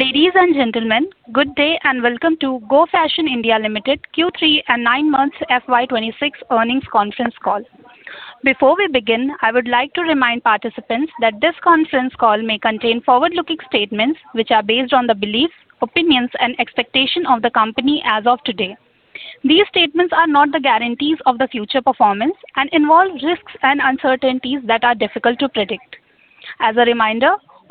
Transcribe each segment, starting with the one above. Ladies and gentlemen, good day and welcome to Go Fashion (India) Limited Q3 and 9 months FY26 earnings conference call. Before we begin, I would like to remind participants that this conference call may contain forward-looking statements which are based on the beliefs, opinions, and expectations of the company as of today. These statements are not the guarantees of the future performance and involve risks and uncertainties that are difficult to predict. As a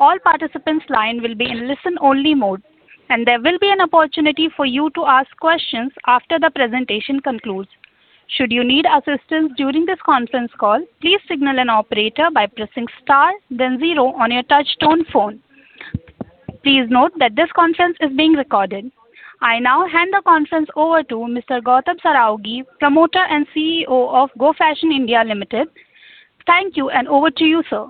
reminder, all participants' lines will be in listen-only mode, and there will be an opportunity for you to ask questions after the presentation concludes. Should you need assistance during this conference call, please signal an operator by pressing star, then zero on your touch-tone phone. Please note that this conference is being recorded. I now hand the conference over to Mr. Gautam Saraogi, Promoter and CEO of Go Fashion (India) Limited. Thank you, and over to you, Sir.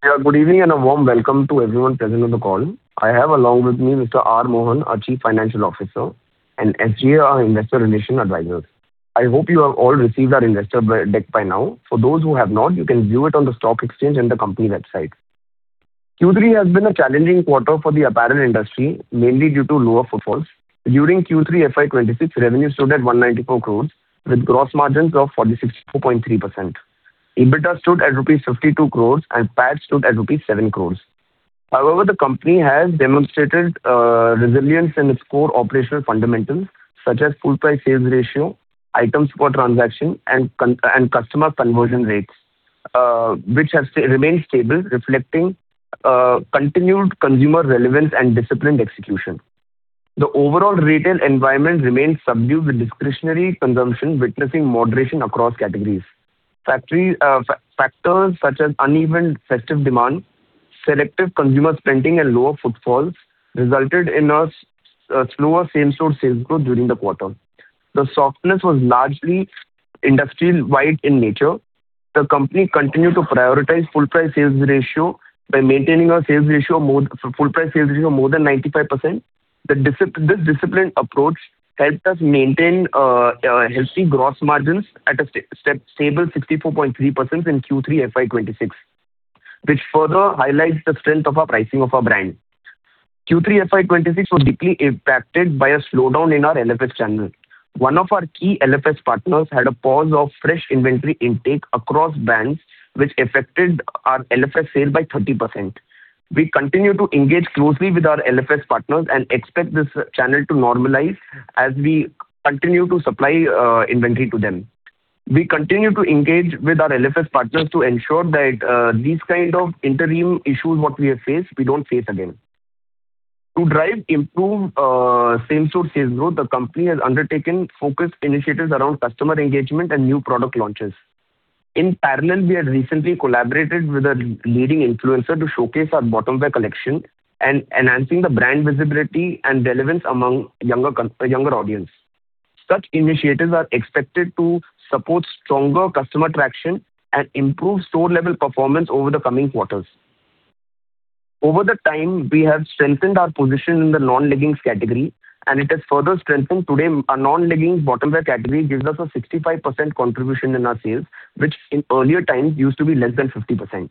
Good evening and a warm welcome to everyone present on the call. I have along with me Mr. R. Mohan, our Chief Financial Officer, and Strategic Growth Advisors. I hope you have all received our investor deck by now. For those who have not, you can view it on the stock exchange and the company website. Q3 has been a challenging quarter for the apparel industry, mainly due to lower footfalls. During Q3 FY26, revenues stood at 194 crores, with gross margins of 46.3%. EBITDA stood at rupees 52 crores, and PAT stood at rupees 7 crores. However, the company has demonstrated resilience in its core operational fundamentals, such as full-price sales ratio, items per transaction, and customer conversion rates, which have remained stable, reflecting continued consumer relevance and disciplined execution. The overall retail environment remains subdued, with discretionary consumption witnessing moderation across categories. Factors such as uneven festive demand, selective consumer spending, and lower footfalls resulted in a slower same-store sales growth during the quarter. The softness was largely industry-wide in nature. The company continued to prioritize full-price sales ratio by maintaining a full-price sales ratio of more than 95%. This disciplined approach helped us maintain healthy gross margins at a stable 64.3% in Q3 FY26, which further highlights the strength of our pricing of our brand. Q3 FY26 was deeply impacted by a slowdown in our LFS channel. One of our key LFS partners had a pause of fresh inventory intake across brands, which affected our LFS sale by 30%. We continue to engage closely with our LFS partners and expect this channel to normalize as we continue to supply inventory to them. We continue to engage with our LFS partners to ensure that these kinds of interim issues that we have faced, we don't face again. To drive improved same-store sales growth, the company has undertaken focused initiatives around customer engagement and new product launches. In parallel, we have recently collaborated with a leading influencer to showcase our bottom-wear collection and enhancing the brand visibility and relevance among a younger audience. Such initiatives are expected to support stronger customer traction and improve store-level performance over the coming quarters. Over the time, we have strengthened our position in the non-leggings category, and it has further strengthened today. Our non-leggings bottom-wear category gives us a 65% contribution in our sales, which in earlier times used to be less than 50%.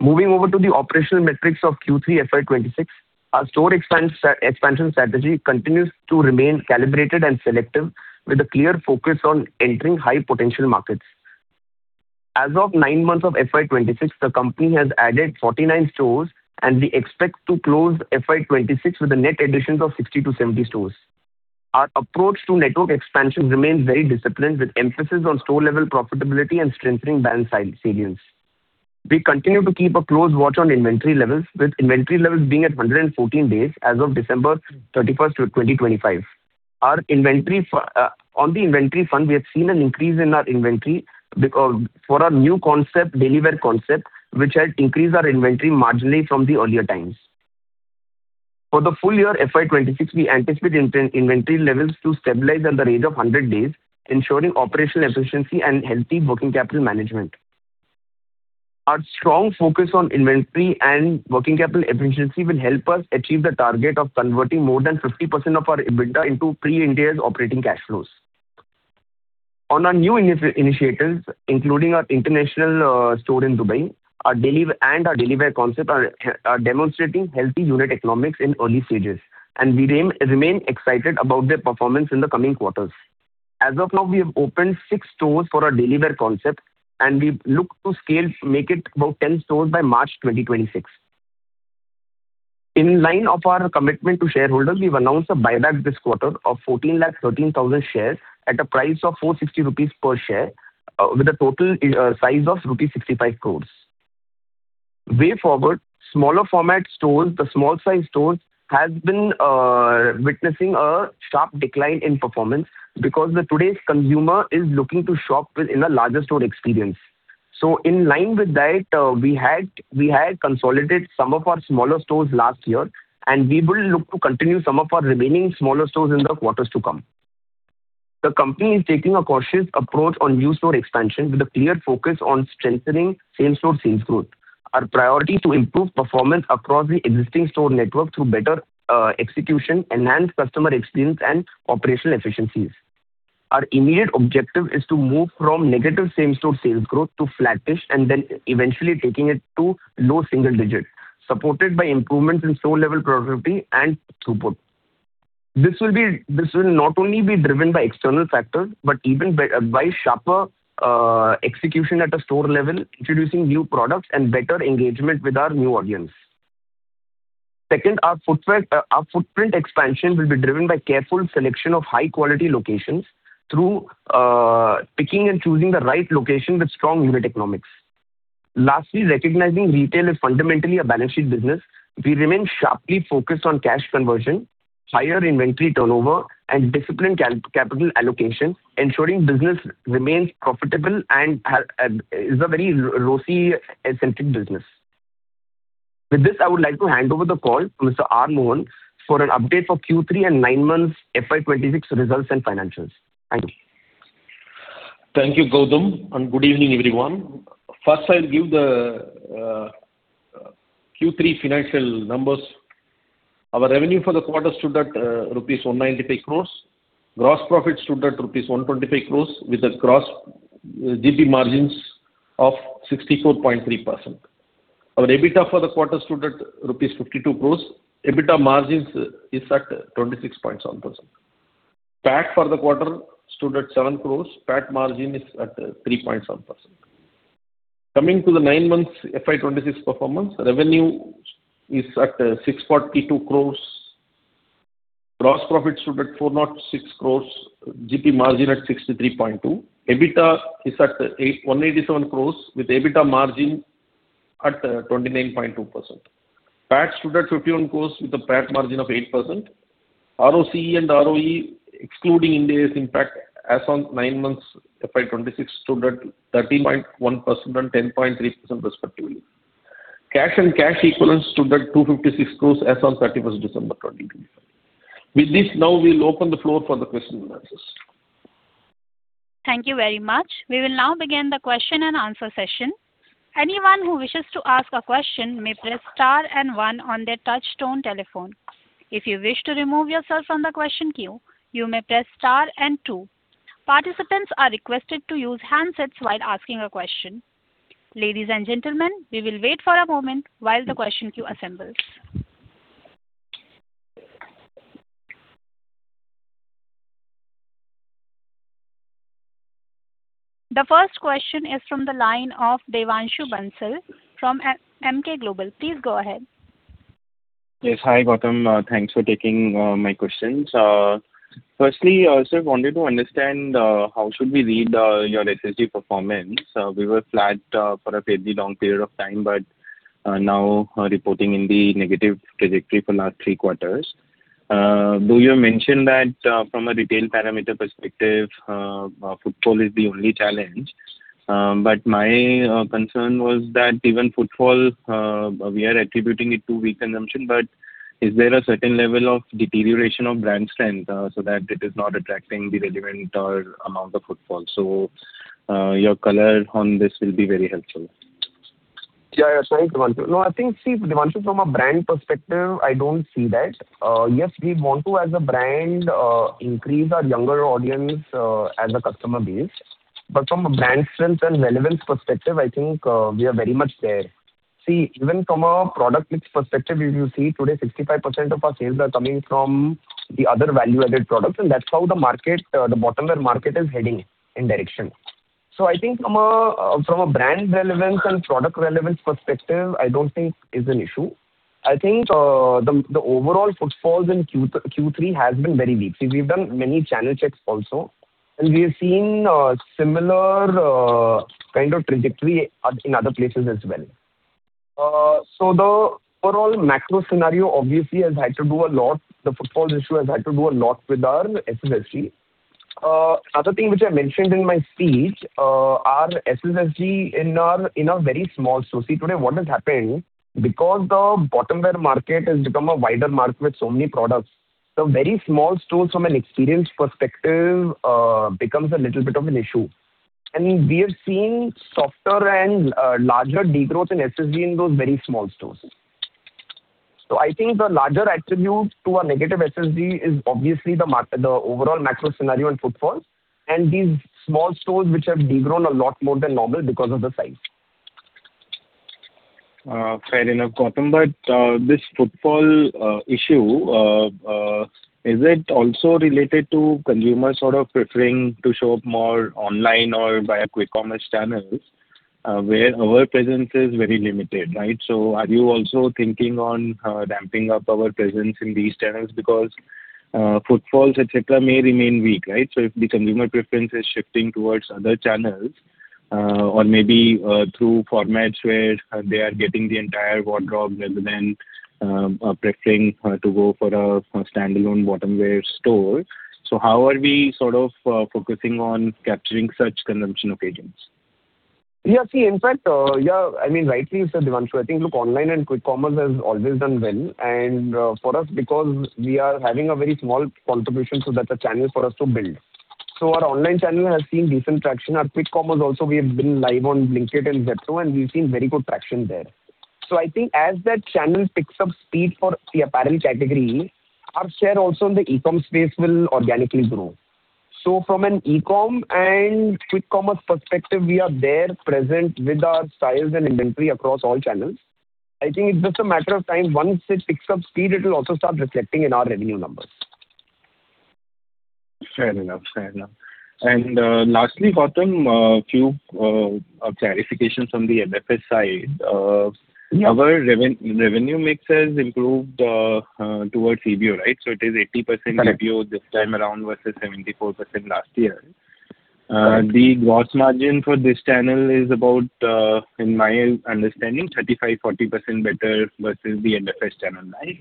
Moving over to the operational metrics of Q3 FY26, our store expansion strategy continues to remain calibrated and selective, with a clear focus on entering high-potential markets. As of nine months of FY26, the company has added 49 stores, and we expect to close FY26 with a net addition of 60 to 70 stores. Our approach to network expansion remains very disciplined, with emphasis on store-level profitability and strengthening brand salience. We continue to keep a close watch on inventory levels, with inventory levels being at 114 days as of December 31, 2025. On the inventory fund, we have seen an increase in our inventory for our new concept, Daily Wear Concept, which has increased our inventory marginally from the earlier times. For the full year FY26, we anticipate inventory levels to stabilize at the range of 100 days, ensuring operational efficiency and healthy working capital management. Our strong focus on inventory and working capital efficiency will help us achieve the target of converting more than 50% of our EBITDA into pre-interest operating cash flows. On our new initiatives, including our international store in Dubai, and our Daily Wear Concept, are demonstrating healthy unit economics in early stages, and we remain excited about their performance in the coming quarters. As of now, we have opened six stores for our Daily Wear Concept, and we look to scale, make it about 10 stores by March 2026. In line with our commitment to shareholders, we've announced a buyback this quarter of 1,413,000 shares at a price of 460 rupees per share, with a total size of rupees 65 crores. Way forward, smaller format stores, the small-size stores, have been witnessing a sharp decline in performance because today's consumer is looking to shop in a larger store experience. So in line with that, we had consolidated some of our smaller stores last year, and we will look to continue some of our remaining smaller stores in the quarters to come. The company is taking a cautious approach on new store expansion, with a clear focus on strengthening same-store sales growth. Our priority is to improve performance across the existing store network through better execution, enhanced customer experience, and operational efficiencies. Our immediate objective is to move from negative same-store sales growth to flattish, and then eventually taking it to low single digit, supported by improvements in store-level productivity and throughput. This will not only be driven by external factors, but even by sharper execution at a store level, introducing new products and better engagement with our new audience. Second, our footprint expansion will be driven by careful selection of high-quality locations through picking and choosing the right location with strong unit economics. Lastly, recognizing retail is fundamentally a balance sheet business, we remain sharply focused on cash conversion, higher inventory turnover, and disciplined capital allocation, ensuring business remains profitable and is a very ROCE-centric business. With this, I would like to hand over the call to Mr. R. Mohan for an update for Q3 and 9 months FY26 results and financials. Thank you. Thank you, Gautam, and good evening, everyone. First, I'll give the Q3 financial numbers. Our revenue for the quarter stood at rupees 195 crores. Gross profit stood at rupees 125 crores, with a gross GP margins of 64.3%. Our EBITDA for the quarter stood at rupees 52 crores. EBITDA margins are at 26.7%. PAT for the quarter stood at 7 crores. PAT margin is at 3.7%. Coming to the 9 months FY26 performance, revenue is at 642 crores. Gross profit stood at 406 crores. GP margin at 63.2%. EBITDA is at 187 crores, with EBITDA margin at 29.2%. PAT stood at 51 crores, with a PAT margin of 8%. ROCE and ROE, excluding Ind AS's impact, as of 9 months FY26, stood at 13.1% and 10.3%, respectively. Cash and cash equivalents stood at 256 crores, as of 31st December 2025. With this, now we'll open the floor for the questions and answers. Thank you very much. We will now begin the question and answer session. Anyone who wishes to ask a question may press star and one on their touch-tone telephone. If you wish to remove yourself from the question queue, you may press star and two. Participants are requested to use handsets while asking a question. Ladies and gentlemen, we will wait for a moment while the question queue assembles. The first question is from the line of Devanshu Bansal from Emkay Global. Please go ahead. Yes. Hi, Gautam. Thanks for taking my questions. Firstly, I also wanted to understand how should we read your SSG performance? We were flat for a fairly long period of time, but now reporting in the negative trajectory for the last three quarters. Though you mentioned that from a retail parameter perspective, footfall is the only challenge. But my concern was that even footfall, we are attributing it to weak consumption, but is there a certain level of deterioration of brand strength so that it is not attracting the relevant amount of footfall? So your color on this will be very helpful. Yeah, I'll try to answer. No, I think, see, Devanshu, from a brand perspective, I don't see that. Yes, we want to, as a brand, increase our younger audience as a customer base. But from a brand strength and relevance perspective, I think we are very much there. See, even from a product mix perspective, if you see today, 65% of our sales are coming from the other value-added products, and that's how the bottom-wear market is heading in direction. So I think from a brand relevance and product relevance perspective, I don't think it is an issue. I think the overall footfall in Q3 has been very weak. See, we've done many channel checks also, and we have seen a similar kind of trajectory in other places as well. So the overall macro scenario, obviously, has had to do a lot. The footfall issue has had to do a lot with our SSG. Another thing which I mentioned in my speech, our SSG in a very small store. See, today, what has happened, because the bottom-wear market has become a wider market with so many products, the very small stores from an experience perspective becomes a little bit of an issue. And we have seen softer and larger degrowth in SSG in those very small stores. So I think the larger attribute to our negative SSG is obviously the overall macro scenario and footfall, and these small stores which have degrown a lot more than normal because of the size. Fair enough, Gautam. But this footfall issue, is it also related to consumers sort of preferring to show up more online or via quick commerce channels where our presence is very limited, right? So are you also thinking on ramping up our presence in these channels? Because footfalls, etc., may remain weak, right? So if the consumer preference is shifting towards other channels or maybe through formats where they are getting the entire wardrobe rather than preferring to go for a standalone bottom-wear store, so how are we sort of focusing on capturing such consumption occasions? Yes, see, in fact, yeah, I mean, rightly, you said, Devanshu. I think, look, online and quick commerce has always done well. And for us, because we are having a very small contribution, so that's a channel for us to build. So our online channel has seen decent traction. Our quick commerce also, we have been live on Blinkit and Zepto, and we've seen very good traction there. So I think as that channel picks up speed for the apparel category, our share also in the e-com space will organically grow. So from an e-com and quick commerce perspective, we are there present with our styles and inventory across all channels. I think it's just a matter of time. Once it picks up speed, it will also start reflecting in our revenue numbers. Fair enough, fair enough. Lastly, Gautam, a few clarifications from the LFS side. Our revenue mix has improved towards EBO, right? So it is 80% EBO this time around versus 74% last year. The gross margin for this channel is about, in my understanding, 35%-40% better versus the LFS channel, right?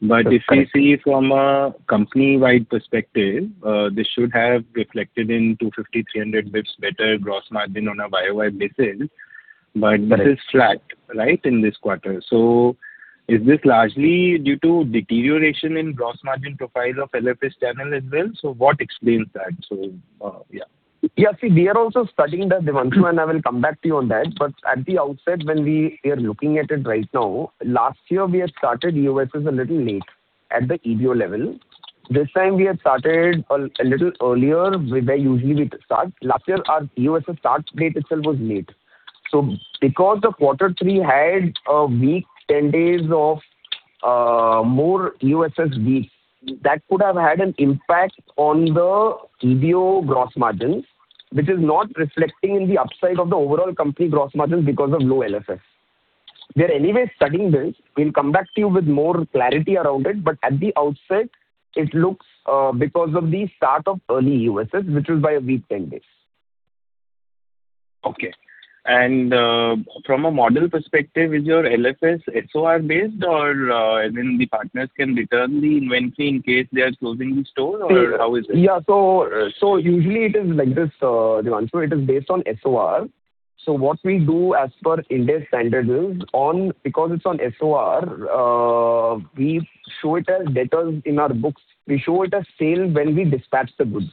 But if we see from a company-wide perspective, this should have reflected in 250-300 basis points better gross margin on a YOY basis, but this is flat, right, in this quarter. So is this largely due to deterioration in gross margin profile of LFS channel as well? So what explains that? So yeah. Yes, see, we are also studying that, Devanshu, and I will come back to you on that. But at the outset, when we are looking at it right now, last year, we had started EOSS a little late at the EBO level. This time, we had started a little earlier where usually we start. Last year, our EOSS start date itself was late. So because the quarter three had a weak, 10 days of more EOSS week, that could have had an impact on the EBO gross margin, which is not reflecting in the upside of the overall company gross margin because of low LFS. We are anyway studying this. We'll come back to you with more clarity around it. But at the outset, it looks because of the start of early EOSS, which is by a week, 10 days. Okay. From a model perspective, is your LFS SOR-based, or then the partners can return the inventory in case they are closing the store, or how is it? Yeah. So usually, it is like this, Devanshu. It is based on SOR. So what we do as per Ind AS is, because it's on SOR, we show it as debtors in our books. We show it as sales when we dispatch the goods.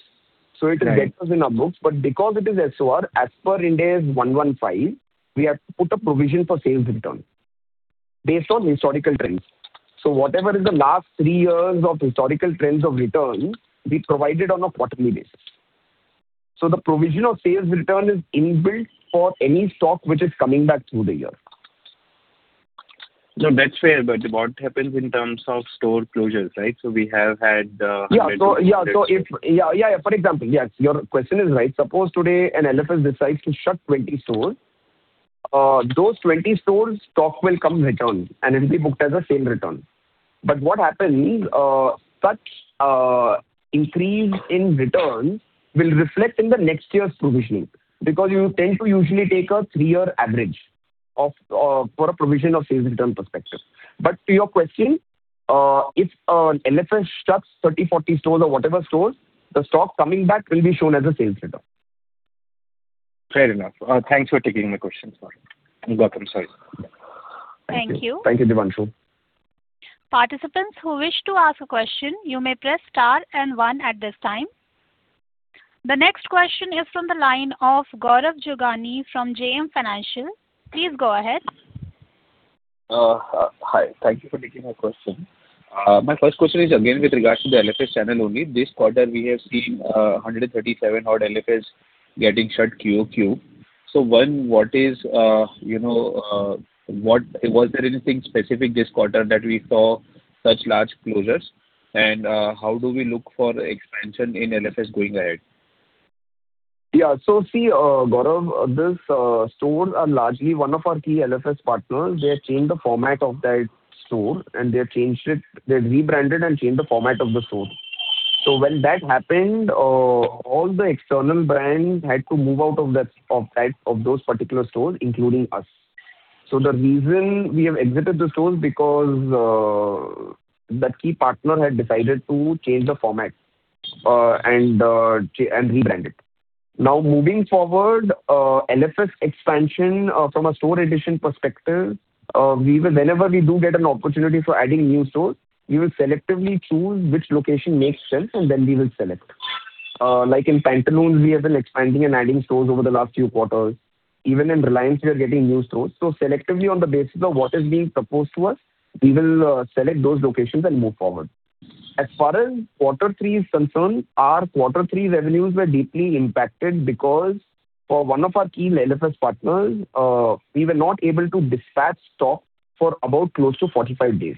So it is debtors in our books. But because it is SOR, as per Ind AS 115, we have put a provision for sales return based on historical trends. So whatever is the last three years of historical trends of return, we provided on a quarterly basis. So the provision of sales return is inbuilt for any stock which is coming back through the year. No, that's fair. But what happens in terms of store closures, right? So we have had. Yeah, so if. Yeah, yeah. Yeah, yeah. For example, yes, your question is right. Suppose today an LFS decides to shut 20 stores, those 20 stores' stock will come return, and it will be booked as a sales return. But what happens, such increase in returns will reflect in the next year's provisioning because you tend to usually take a three-year average for a provision of sales return perspective. But to your question, if an LFS shuts 30, 40 stores or whatever stores, the stock coming back will be shown as a sales return. Fair enough. Thanks for taking my questions. Gautam, sorry. Thank you. Thank you, Devanshu. Participants who wish to ask a question, you may press star and one at this time. The next question is from the line of Gaurav Jogani from JM Financial. Please go ahead. Hi. Thank you for taking my question. My first question is again with regard to the LFS channel only. This quarter, we have seen 137 odd LFS getting shut QOQ. So one, what is, was there anything specific this quarter that we saw such large closures? And how do we look for expansion in LFS going ahead? Yeah. So see, Gaurav, these stores are largely one of our key LFS partners. They have changed the format of that store, and they have changed it. They have rebranded and changed the format of the store. So when that happened, all the external brands had to move out of those particular stores, including us. So the reason we have exited the store is because that key partner had decided to change the format and rebrand it. Now, moving forward, LFS expansion from a store addition perspective, whenever we do get an opportunity for adding new stores, we will selectively choose which location makes sense, and then we will select. Like in Pantaloons, we have been expanding and adding stores over the last few quarters. Even in Reliance, we are getting new stores. So selectively, on the basis of what is being proposed to us, we will select those locations and move forward. As far as quarter three is concerned, our quarter three revenues were deeply impacted because for one of our key LFS partners, we were not able to dispatch stock for about close to 45 days.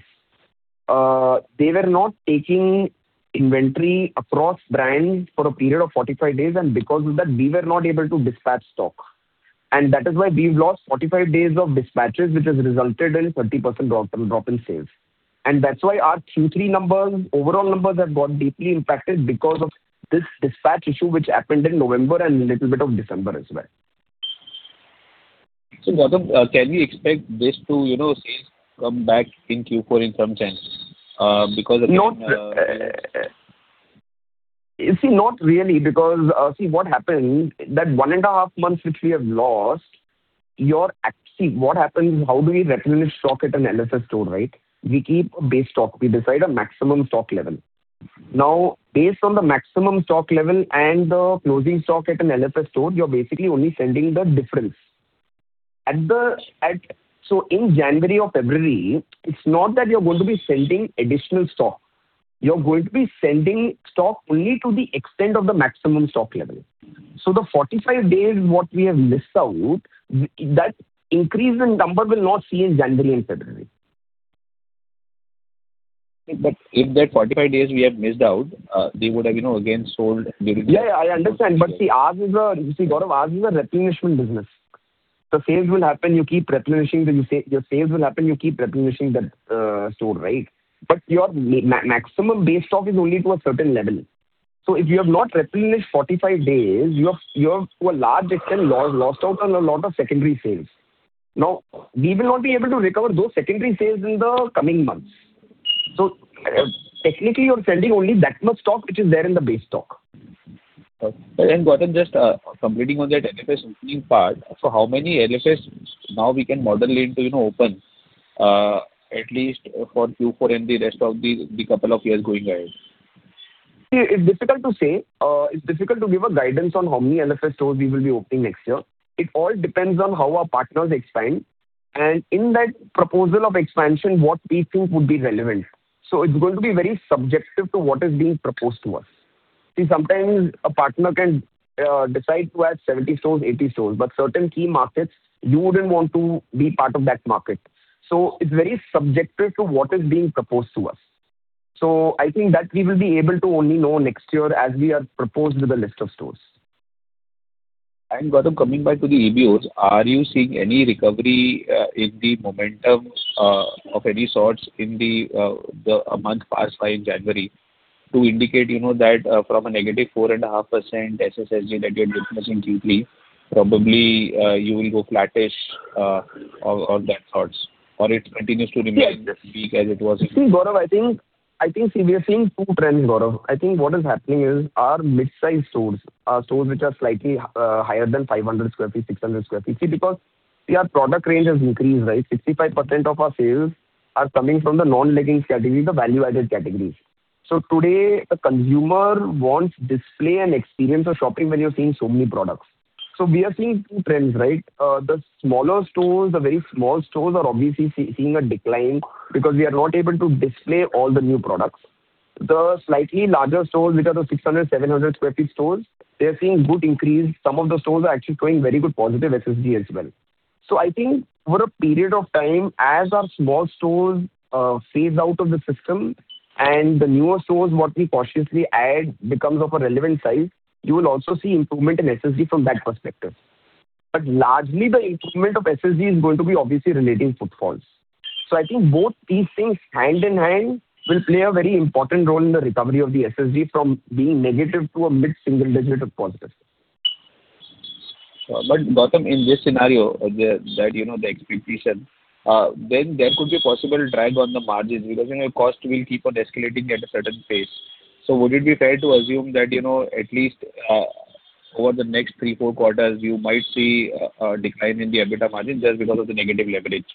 They were not taking inventory across brands for a period of 45 days, and because of that, we were not able to dispatch stock. And that is why we've lost 45 days of dispatches, which has resulted in a 30% drop in sales. And that's why our Q3 numbers, overall numbers have got deeply impacted because of this dispatch issue which happened in November and a little bit of December as well. Gautam, can we expect this to sales come back in Q4 in some chance because of? See, not really. Because see what happened, that 1.5 months which we have lost, see what happens, how do we replenish stock at an LFS store, right? We keep a base stock. We decide a maximum stock level. Now, based on the maximum stock level and the closing stock at an LFS store, you're basically only sending the difference. So in January or February, it's not that you're going to be sending additional stock. You're going to be sending stock only to the extent of the maximum stock level. So the 45 days what we have missed out, that increase in number will not see in January and February. But if that 45 days we have missed out, they would have again sold during. Yeah, yeah, I understand. But see, Gautam, ours is a replenishment business. The sales will happen, you keep replenishing the sales will happen, you keep replenishing that store, right? But your maximum base stock is only to a certain level. So if you have not replenished 45 days, you have to a large extent lost out on a lot of secondary sales. Now, we will not be able to recover those secondary sales in the coming months. So technically, you're sending only that much stock which is there in the base stock. Gautam, just commenting on that LFS opening part, so how many LFS now we can model into open at least for Q4 and the rest of the couple of years going ahead? It's difficult to say. It's difficult to give a guidance on how many LFS stores we will be opening next year. It all depends on how our partners expand. In that proposal of expansion, what we think would be relevant. So it's going to be very subjective to what is being proposed to us. See, sometimes a partner can decide to have 70 stores, 80 stores, but certain key markets, you wouldn't want to be part of that market. So it's very subjective to what is being proposed to us. So I think that we will be able to only know next year as we are proposed with a list of stores. Gautam, coming back to the EBOs, are you seeing any recovery in the momentum of any sorts in the months past by January to indicate that from a negative 4.5% SSG that you are dismissing Q3, probably you will go flattish on that thoughts or it continues to remain as it was? See, Gautam, I think we are seeing two trends, Gautam. I think what is happening is our mid-size stores, our stores which are slightly higher than 500 sq ft, 600 sq ft. See, because our product range has increased, right? 65% of our sales are coming from the non-leggings category, the value-added categories. So today, the consumer wants display and experience of shopping when you're seeing so many products. So we are seeing two trends, right? The smaller stores, the very small stores are obviously seeing a decline because we are not able to display all the new products. The slightly larger stores, which are the 600-700 sq ft stores, they are seeing good increase. Some of the stores are actually showing very good positive SSG as well. So I think over a period of time, as our small stores phase out of the system and the newer stores what we cautiously add becomes of a relevant size, you will also see improvement in SSG from that perspective. But largely, the improvement of SSG is going to be obviously relating to footfalls. So I think both these things hand in hand will play a very important role in the recovery of the SSG from being negative to a mid-single digit of positive. Gautam, in this scenario that the expectation, then there could be a possible drag on the margins because cost will keep on escalating at a certain pace. So would it be fair to assume that at least over the next 3-4 quarters, you might see a decline in the EBITDA margin just because of the negative leverage?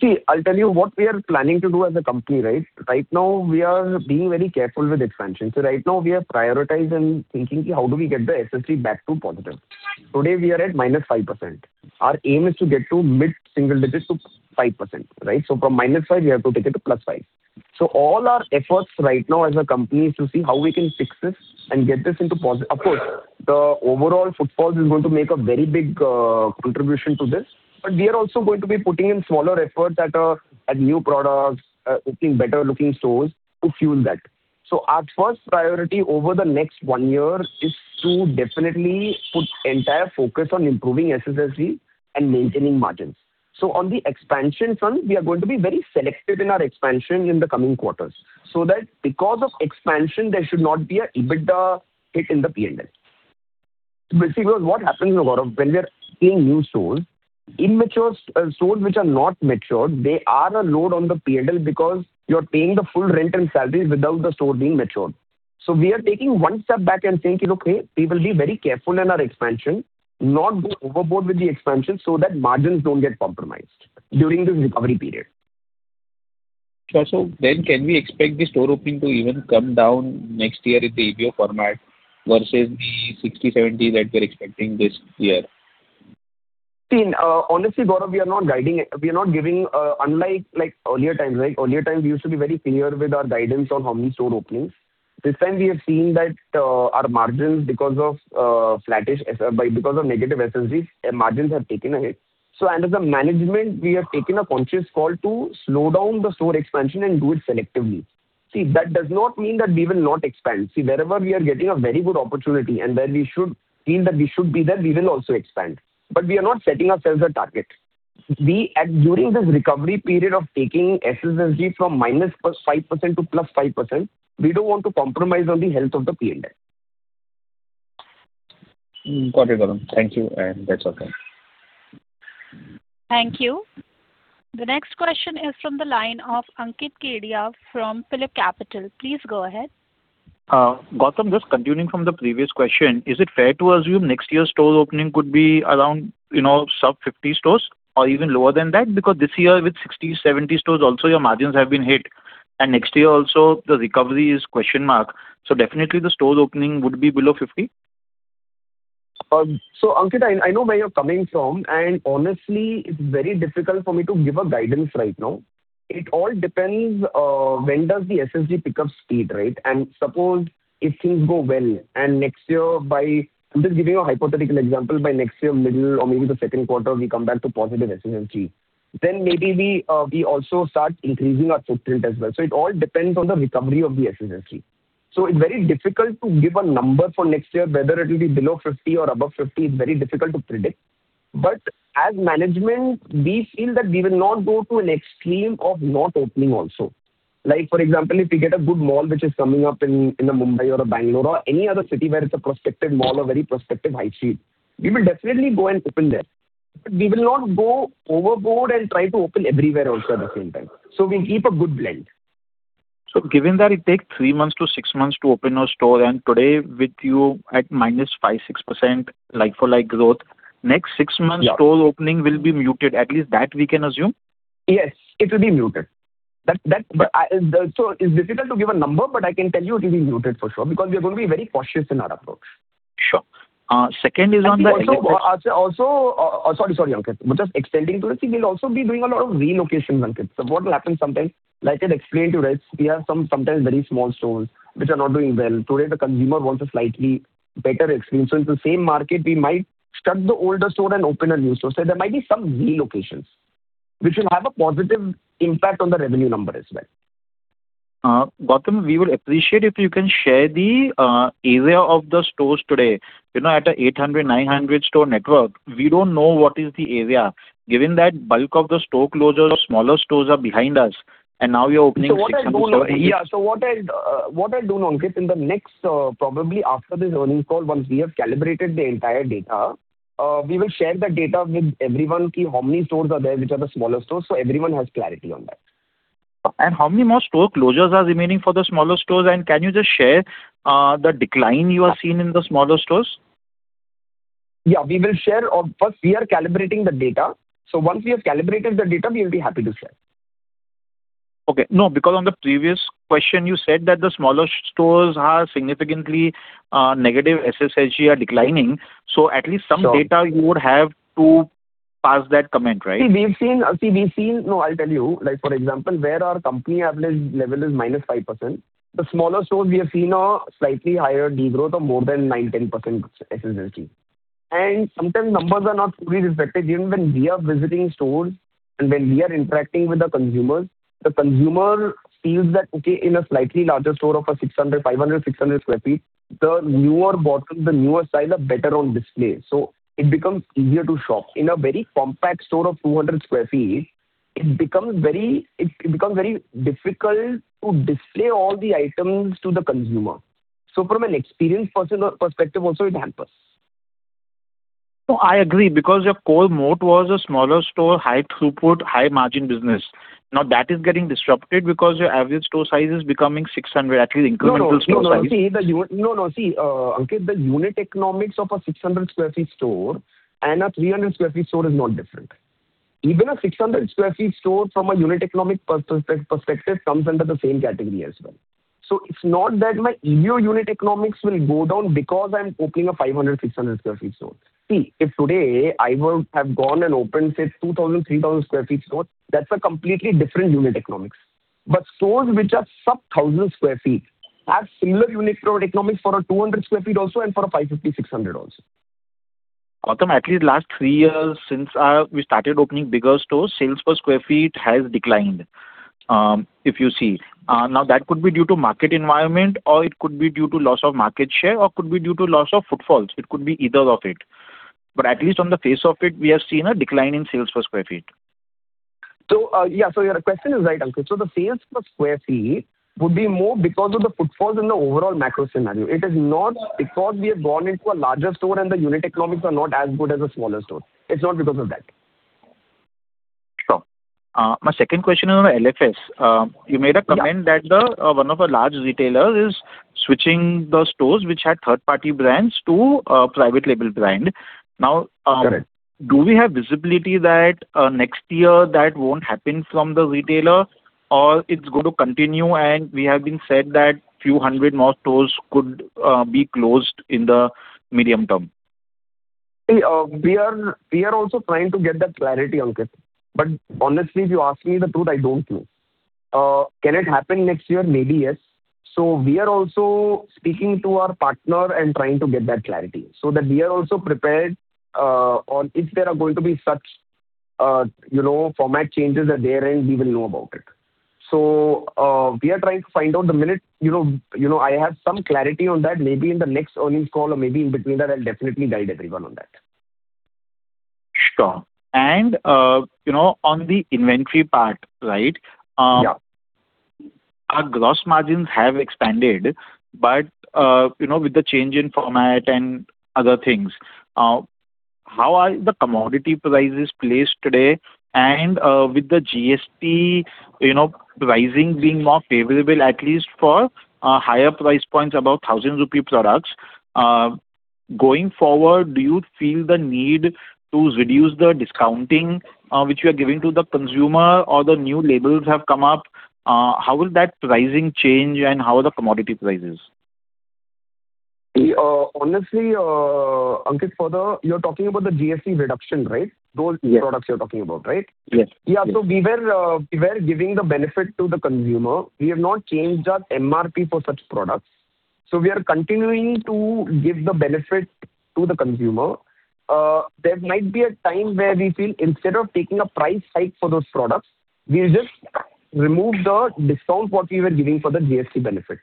See, I'll tell you what we are planning to do as a company, right? Right now, we are being very careful with expansion. So right now, we are prioritizing thinking how do we get the SSG back to positive. Today, we are at -5%. Our aim is to get to mid-single digit to 5%, right? So from -5, we have to take it to +5. So all our efforts right now as a company is to see how we can fix this and get this into positive. Of course, the overall footfalls is going to make a very big contribution to this, but we are also going to be putting in smaller efforts at new products, looking better-looking stores to fuel that. So our first priority over the next one year is to definitely put entire focus on improving SSSG and maintaining margins. So on the expansion front, we are going to be very selective in our expansion in the coming quarters so that because of expansion, there should not be an EBITDA hit in the P&L. See, because what happens, Gautam, when we are seeing new stores, immature stores which are not matured, they are a load on the P&L because you're paying the full rent and salary without the store being matured. So we are taking one step back and saying, "Look, hey, we will be very careful in our expansion, not go overboard with the expansion so that margins don't get compromised during this recovery period. So then can we expect the store opening to even come down next year in the EBO format versus the 60-70 that we're expecting this year? See, honestly, Gautam, we are not guiding it. We are not giving unlike earlier times, right? Earlier times, we used to be very clear with our guidance on how many stores opening. This time, we have seen that our margins because of negative SSGs, margins have taken a hit. So under the management, we have taken a conscious call to slow down the store expansion and do it selectively. See, that does not mean that we will not expand. See, wherever we are getting a very good opportunity and where we feel that we should be there, we will also expand. But we are not setting ourselves a target. During this recovery period of taking SSSG from -5% to +5%, we don't want to compromise on the health of the P&L. Got it, Gautam. Thank you, and that's all. Thank you. The next question is from the line of Ankit Kedia from PhillipCapital. Please go ahead. Gautam, just continuing from the previous question, is it fair to assume next year's store opening could be around sub-50 stores or even lower than that? Because this year with 60-70 stores, also your margins have been hit. And next year also, the recovery is question mark. So definitely, the store opening would be below 50? So Ankit, I know where you're coming from, and honestly, it's very difficult for me to give a guidance right now. It all depends when does the SSG pick up speed, right? And suppose if things go well and next year, by I'm just giving you a hypothetical example, by next year, middle or maybe the Second Quarter, we come back to positive SSSG, then maybe we also start increasing our footprint as well. So it all depends on the recovery of the SSSG. So it's very difficult to give a number for next year, whether it will be below 50 or above 50, it's very difficult to predict. But as management, we feel that we will not go to an extreme of not opening also. For example, if we get a good mall which is coming up in Mumbai or Bangalore or any other city where it's a prospective mall or very prospective high street, we will definitely go and open there. But we will not go overboard and try to open everywhere also at the same time. So we'll keep a good blend. Given that it takes 3 months to 6 months to open a store, and today with you at minus 5, 6% like-for-like growth, next 6 months store opening will be muted, at least that we can assume? Yes, it will be muted. So it's difficult to give a number, but I can tell you it will be muted for sure because we are going to be very cautious in our approach. Sure. Second is on that. Also, sorry, sorry, Ankit, just extending to the sea, we'll also be doing a lot of relocations, Ankit. So what will happen sometimes, like I explained to you, right? We have some sometimes very small stores which are not doing well. Today, the consumer wants a slightly better experience. So in the same market, we might shut the older store and open a new store. So there might be some relocations which will have a positive impact on the revenue number as well. Gautam, we would appreciate if you can share the area of the stores today. At an 800-900 store network, we don't know what is the area. Given that bulk of the store closures, smaller stores are behind us, and now you're opening 600 stores. What I'll do, Ankit, in the next probably after this earnings call, once we have calibrated the entire data, we will share the data with everyone how many stores are there which are the smaller stores so everyone has clarity on that. How many more store closures are remaining for the smaller stores? And can you just share the decline you are seeing in the smaller stores? Yeah, we will share. First, we are calibrating the data. Once we have calibrated the data, we'll be happy to share. Okay. No, because on the previous question, you said that the smaller stores are significantly negative SSSG are declining. So, at least some data you would have to pass that comment, right? See, we've seen no, I'll tell you. For example, where our company average level is -5%, the smaller stores we have seen are slightly higher degrowth of more than 9%-10% SSSG. And sometimes numbers are not fully reflected even when we are visiting stores and when we are interacting with the consumers. The consumer feels that, okay, in a slightly larger store of a 500-600 sq ft, the newer bottoms, the newer styles are better on display. So it becomes easier to shop. In a very compact store of 200 sq ft, it becomes very difficult to display all the items to the consumer. So from an experience perspective also, it hampers. I agree because your core moat was a smaller store, high throughput, high margin business. Now that is getting disrupted because your average store size is becoming 600, at least incremental store size. No, no, see, Ankit, the unit economics of a 600 sq ft store and a 300 sq ft store is not different. Even a 600 sq ft store from a unit economic perspective comes under the same category as well. So it's not that my EBITDA unit economics will go down because I'm opening a 500, 600 sq ft store. See, if today I would have gone and opened, say, 2,000, 3,000 sq ft store, that's a completely different unit economics. But stores which are sub 1,000 sq ft have similar unit economics for a 200 sq ft also and for a 550, 600 also. Gautam, at least last three years since we started opening bigger stores, sales per sq ft has declined, if you see. Now that could be due to market environment, or it could be due to loss of market share, or could be due to loss of footfalls. It could be either of it. But at least on the face of it, we have seen a decline in sales per sq ft. So yeah, so your question is right, Ankit. So the sales per sq ft would be more because of the footfalls in the overall macro scenario. It is not because we have gone into a larger store and the unit economics are not as good as a smaller store. It's not because of that. Sure. My second question is on LFS. You made a comment that one of the large retailers is switching the stores which had third-party brands to a private label brand. Now, do we have visibility that next year that won't happen from the retailer, or it's going to continue and we have been said that a few hundred more stores could be closed in the medium term? We are also trying to get that clarity, Ankit. But honestly, if you ask me the truth, I don't know. Can it happen next year? Maybe yes. So we are also speaking to our partner and trying to get that clarity so that we are also prepared on if there are going to be such format changes at their end, we will know about it. So we are trying to find out the minute I have some clarity on that, maybe in the next earnings call or maybe in between that, I'll definitely guide everyone on that. Sure. On the inventory part, right, our gross margins have expanded, but with the change in format and other things, how are the commodity prices placed today? And with the GST pricing being more favorable, at least for higher price points above 1,000 rupee products, going forward, do you feel the need to reduce the discounting which you are giving to the consumer or the new labels have come up? How will that pricing change and how are the commodity prices? Honestly, Ankit Kedia, you're talking about the GST reduction, right? Those products you're talking about, right? Yes. Yeah. So we were giving the benefit to the consumer. We have not changed our MRP for such products. So we are continuing to give the benefit to the consumer. There might be a time where we feel instead of taking a price hike for those products, we'll just remove the discount what we were giving for the GST benefit.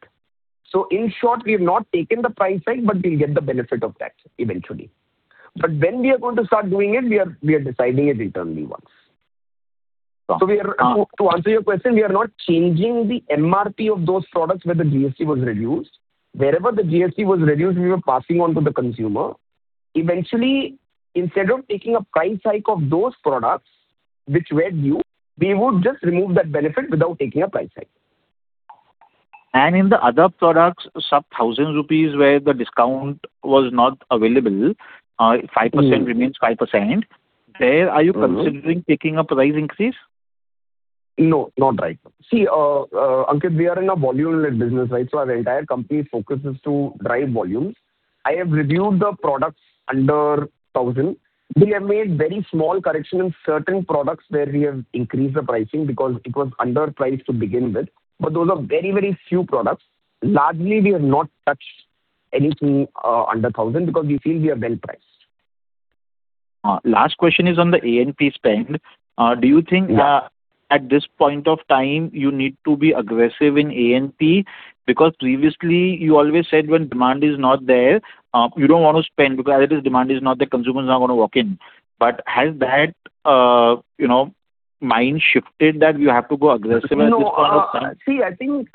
So in short, we have not taken the price hike, but we'll get the benefit of that eventually. But when we are going to start doing it, we are deciding it internally once. So to answer your question, we are not changing the MRP of those products where the GST was reduced. Wherever the GST was reduced, we were passing on to the consumer. Eventually, instead of taking a price hike of those products which were due, we would just remove that benefit without taking a price hike. In the other products, sub-INR 1,000 where the discount was not available, 5% remains 5%. Are you considering taking a price increase? No, not right. See, Ankit, we are in a volume-led business, right? So our entire company focuses to drive volumes. I have reviewed the products under 1,000. We have made very small corrections in certain products where we have increased the pricing because it was underpriced to begin with. But those are very, very few products. Largely, we have not touched anything under 1,000 because we feel we are well priced. Last question is on the A&P spend. Do you think at this point of time, you need to be aggressive in A&P? Because previously, you always said when demand is not there, you don't want to spend because if the demand is not there, consumers are not going to walk in. But has that mind shifted that you have to go aggressive at this point of time? See, I think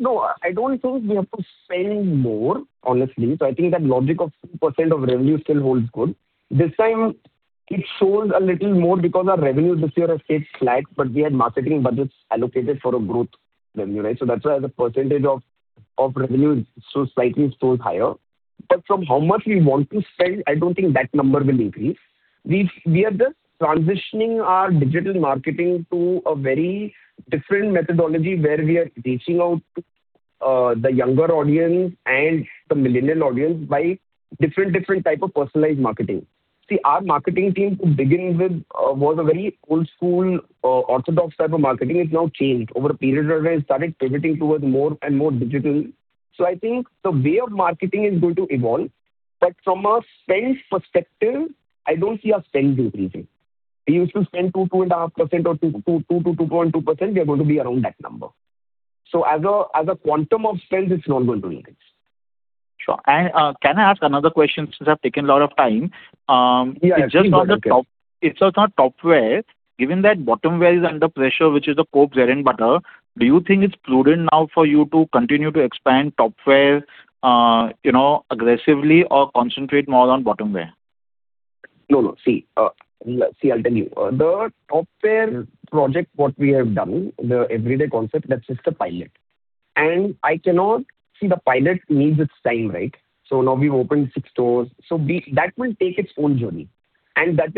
no, I don't think we have to spend more, honestly. So I think that logic of 2% of revenue still holds good. This time, it shows a little more because our revenue this year has stayed flat, but we had marketing budgets allocated for a growth revenue, right? So that's why the percentage of revenue is so slightly still higher. But from how much we want to spend, I don't think that number will increase. We are just transitioning our digital marketing to a very different methodology where we are reaching out to the younger audience and the millennial audience by different types of personalized marketing. See, our marketing team to begin with was a very old-school, orthodox type of marketing. It's now changed. Over a period of time, it started pivoting towards more and more digital. So I think the way of marketing is going to evolve. But from a spend perspective, I don't see our spend decreasing. We used to spend 2, 2.5% or 2%-2.2%. We are going to be around that number. So as a quantum of spend, it's not going to increase. Sure. Can I ask another question since I've taken a lot of time? Yeah, sure. It's just on the top wear. Given that bottom wear is under pressure, which is the Core, bread, and butter, do you think it's prudent now for you to continue to expand top wear aggressively or concentrate more on bottom wear? No, no. See, let me tell you. The top wear project what we have done, the everyday concept, that's just a pilot. And I cannot see the pilot needs its time, right? So now we've opened six stores. So that will take its own journey. And that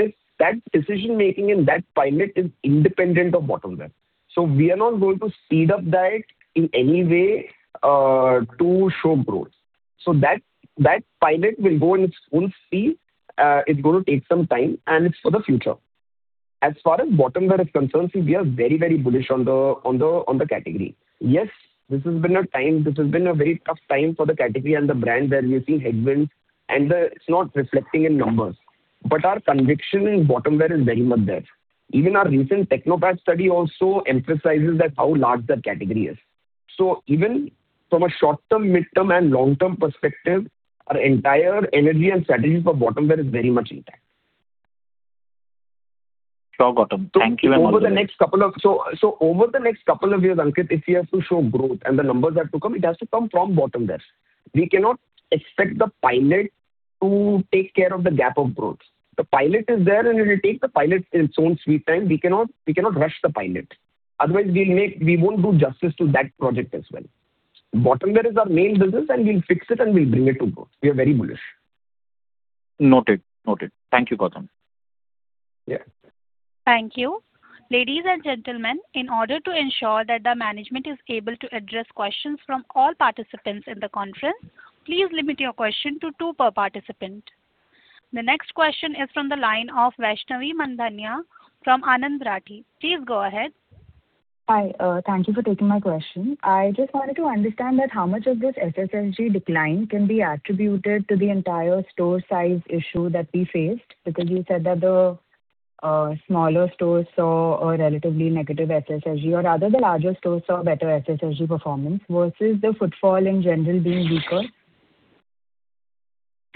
decision-making in that pilot is independent of bottom wear. So we are not going to speed up that in any way to show growth. So that pilot will go in its own speed. It's going to take some time, and it's for the future. As far as bottom wear is concerned, we are very, very bullish on the category. Yes, this has been a time. This has been a very tough time for the category and the brand where we've seen headwinds, and it's not reflecting in numbers. But our conviction in bottom wear is very much there. Even our recent Technopak study also emphasizes how large that category is. So even from a short-term, mid-term, and long-term perspective, our entire energy and strategy for bottom wear is very much intact. Sure, Gautam. Thank you very much. So over the next couple of years, Ankit, if we have to show growth and the numbers have to come, it has to come from bottom wear. We cannot expect the pilot to take care of the gap of growth. The pilot is there, and it will take the pilot in its own sweet time. We cannot rush the pilot. Otherwise, we won't do justice to that project as well. Bottom wear is our main business, and we'll fix it, and we'll bring it to growth. We are very bullish. Noted. Noted. Thank you, Gautam. Yeah. Thank you. Ladies and gentlemen, in order to ensure that the management is able to address questions from all participants in the conference, please limit your question to two per participant. The next question is from the line of Vaishnavi Mandhaniya from Anand Rathi. Please go ahead. Hi. Thank you for taking my question. I just wanted to understand how much of this SSSG decline can be attributed to the entire store size issue that we faced because you said that the smaller stores saw a relatively negative SSSG, or rather the larger stores saw better SSSG performance versus the footfall in general being weaker?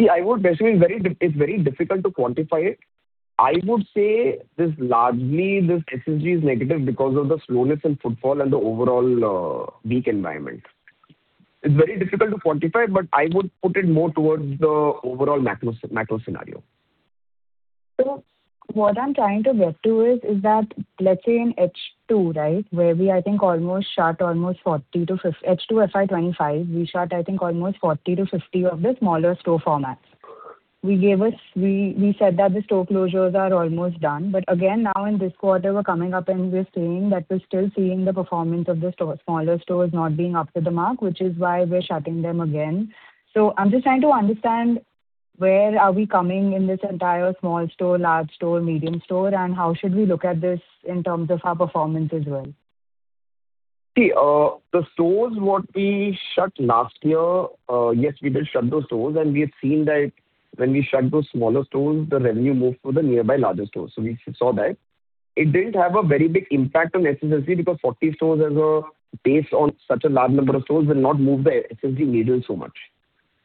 See, I would say it's very difficult to quantify it. I would say largely this SSSG is negative because of the slowness in footfall and the overall weak environment. It's very difficult to quantify, but I would put it more towards the overall macro scenario. So what I'm trying to get to is that, let's say in H2, right, where we I think almost shot almost 40 to H2 FY25, we shot I think almost 40-50 of the smaller store formats. We said that the store closures are almost done. But again, now in this quarter, we're coming up and we're seeing that we're still seeing the performance of the smaller stores not being up to the mark, which is why we're shutting them again. So I'm just trying to understand where are we coming in this entire small store, large store, medium store, and how should we look at this in terms of our performance as well? See, the stores what we shut last year, yes, we did shut those stores, and we have seen that when we shut those smaller stores, the revenue moved to the nearby larger stores. So we saw that. It didn't have a very big impact on SSSG because 40 stores as a base on such a large number of stores will not move the SSSG needle so much.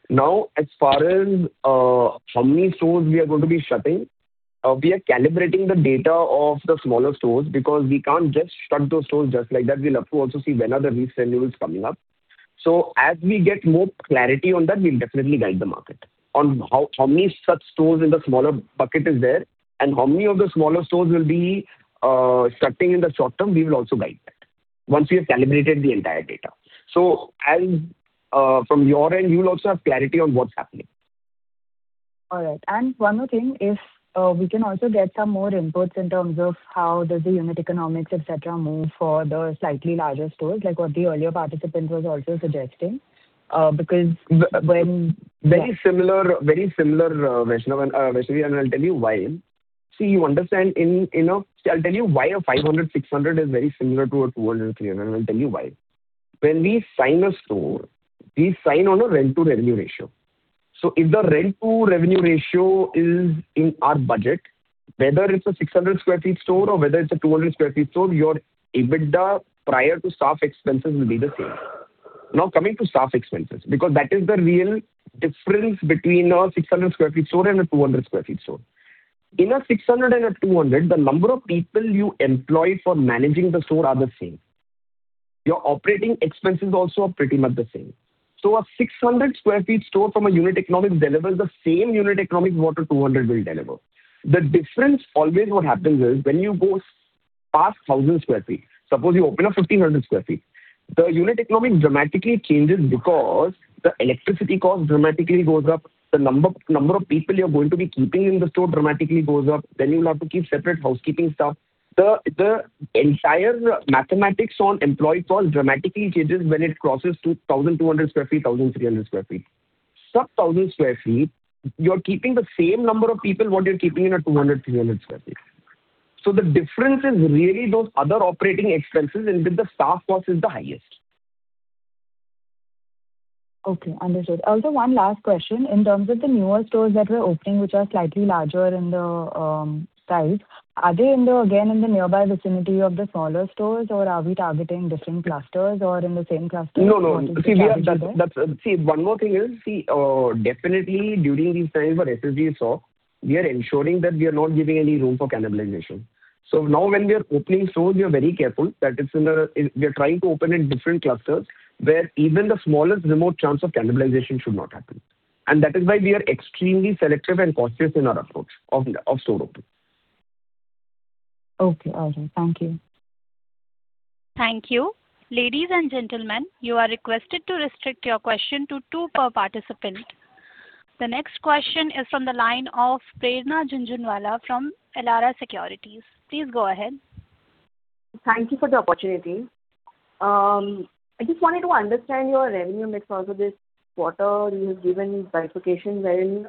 Now, as far as how many stores we are going to be shutting, we are calibrating the data of the smaller stores because we can't just shut those stores just like that. We'll have to also see when the reschedules are coming up. So, as we get more clarity on that, we'll definitely guide the market on how many such stores in the smaller bucket is there, and how many of the smaller stores will be shutting in the short term. We will also guide that once we have calibrated the entire data. So from your end, you'll also have clarity on what's happening. All right. And one more thing is we can also get some more inputs in terms of how does the unit economics, etc., move for the slightly larger stores, like what the earlier participant was also suggesting because when. Very similar, Vaishnavi. I'll tell you why. See, you understand, I'll tell you why a 500, 600 is very similar to a 200, and I'll tell you why. When we sign a store, we sign on a rent-to-revenue ratio. So if the rent-to-revenue ratio is in our budget, whether it's a 600-sq ft store or whether it's a 200-sq ft store, your EBITDA prior to staff expenses will be the same. Now, coming to staff expenses, because that is the real difference between a 600-sq ft store and a 200-sq ft store. In a 600 and a 200, the number of people you employ for managing the store are the same. Your operating expenses also are pretty much the same. So a 600-sq ft store from a unit economics delivers the same unit economics what a 200 will deliver. The difference always what happens is when you go past 1,000 sq ft, suppose you open a 1,500 sq ft, the unit economics dramatically changes because the electricity cost dramatically goes up. The number of people you're going to be keeping in the store dramatically goes up. Then you'll have to keep separate housekeeping staff. The entire mathematics on employee cost dramatically changes when it crosses 1,200 sq ft, 1,300 sq ft. Sub 1,000 sq ft, you're keeping the same number of people what you're keeping in a 200, 300 sq ft. So the difference is really those other operating expenses in which the staff cost is the highest. Okay. Understood. Also, one last question. In terms of the newer stores that we're opening, which are slightly larger in the size, are they again in the nearby vicinity of the smaller stores, or are we targeting different clusters or in the same clusters? No, no. See, one more thing is, see, definitely during these times where SSSG is off, we are ensuring that we are not giving any room for cannibalization. So now when we are opening stores, we are very careful that we are trying to open in different clusters where even the smallest remote chance of cannibalization should not happen. And that is why we are extremely selective and cautious in our approach of store opening. Okay. All right. Thank you. Thank you. Ladies and gentlemen, you are requested to restrict your question to two per participant. The next question is from the line of Prerna Jhunjhunwala from Elara Capital. Please go ahead. Thank you for the opportunity. I just wanted to understand your revenue mix also this quarter. You have given verification wherein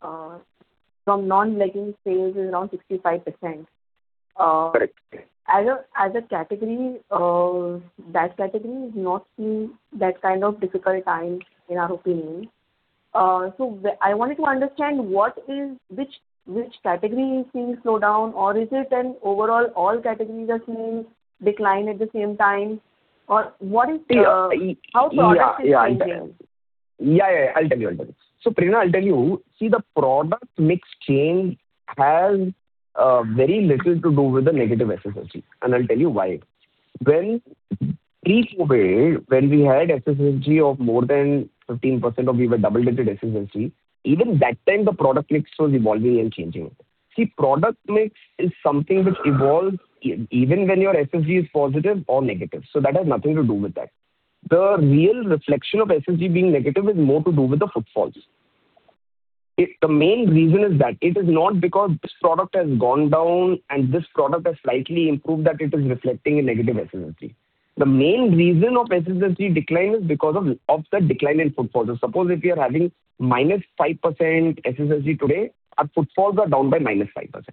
from non-legging sales is around 65%. Correct. As a category, that category is not seeing that kind of difficult time in our opinion. So I wanted to understand which category is seeing slowdown, or is it an overall all categories are seeing decline at the same time, or what is the? See, yeah, yeah, yeah. I'll tell you. So Prerna, I'll tell you. See, the product mix change has very little to do with the negative SSSG. And I'll tell you why. Pre-COVID, when we had SSSG of more than 15%, or we were double-digit SSSG, even that time, the product mix was evolving and changing. See, product mix is something which evolves even when your SSSG is positive or negative. So that has nothing to do with that. The real reflection of SSSG being negative is more to do with the footfalls. The main reason is that it is not because this product has gone down and this product has slightly improved that it is reflecting a negative SSSG. The main reason of SSSG decline is because of the decline in footfalls. Suppose if you are having -5% SSSG today, our footfalls are down by -5%.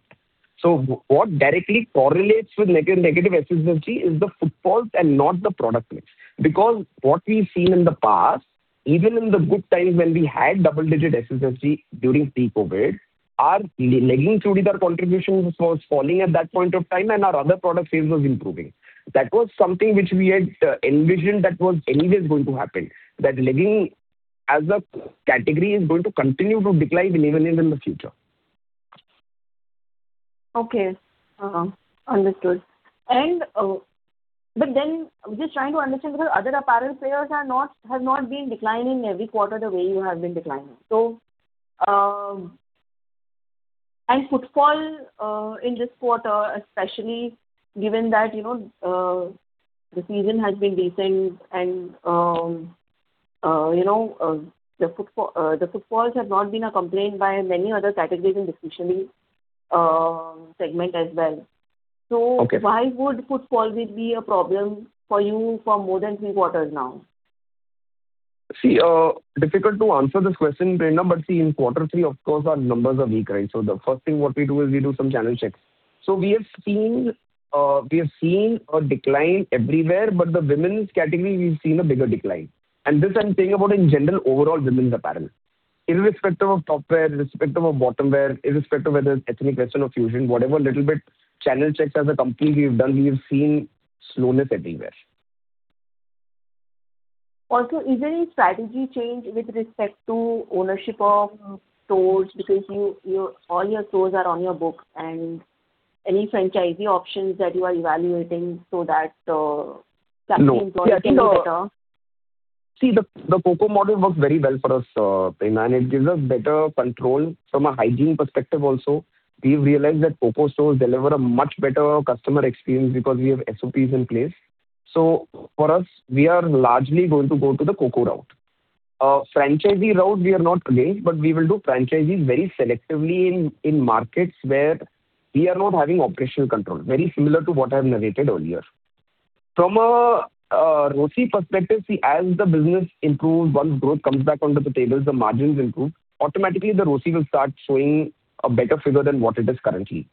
So what directly correlates with negative SSSG is the footfalls and not the product mix. Because what we've seen in the past, even in the good times when we had double-digit SSSG during pre-COVID, our leggings-to-tops contribution was falling at that point of time, and our other product sales was improving. That was something which we had envisioned that was anyways going to happen, that leggings as a category is going to continue to decline even in the future. Okay. Understood. But then just trying to understand because other apparel players have not been declining every quarter the way you have been declining. So and footfall in this quarter, especially given that the season has been decent and the footfalls have not been a complaint by many other categories in the fashion segment as well. So why would footfall be a problem for you for more than three quarters now? See, difficult to answer this question, Prerna, but see, in quarter three, of course, our numbers are weak, right? So the first thing what we do is we do some channel checks. So we have seen a decline everywhere, but the women's category, we've seen a bigger decline. And this I'm saying about in general overall women's apparel. Irrespective of top wear, irrespective of bottom wear, irrespective whether it's ethnic kurtis or fusion, whatever, a little bit channel checks as a company we've done, we've seen slowness everywhere. Also, is there any strategy change with respect to ownership of stores because all your stores are on your books and any franchisee options that you are evaluating so that the capex is getting better? No. See, the COCO model works very well for us, Prerna, and it gives us better control from a hygiene perspective also. We've realized that COCO stores deliver a much better customer experience because we have SOPs in place. So for us, we are largely going to go to the COCO route. Franchisee route, we are not against, but we will do franchisees very selectively in markets where we are not having operational control, very similar to what I've narrated earlier. From a ROCE perspective, see, as the business improves, once growth comes back onto the tables, the margins improve, automatically the ROCE will start showing a better figure than what it is currently.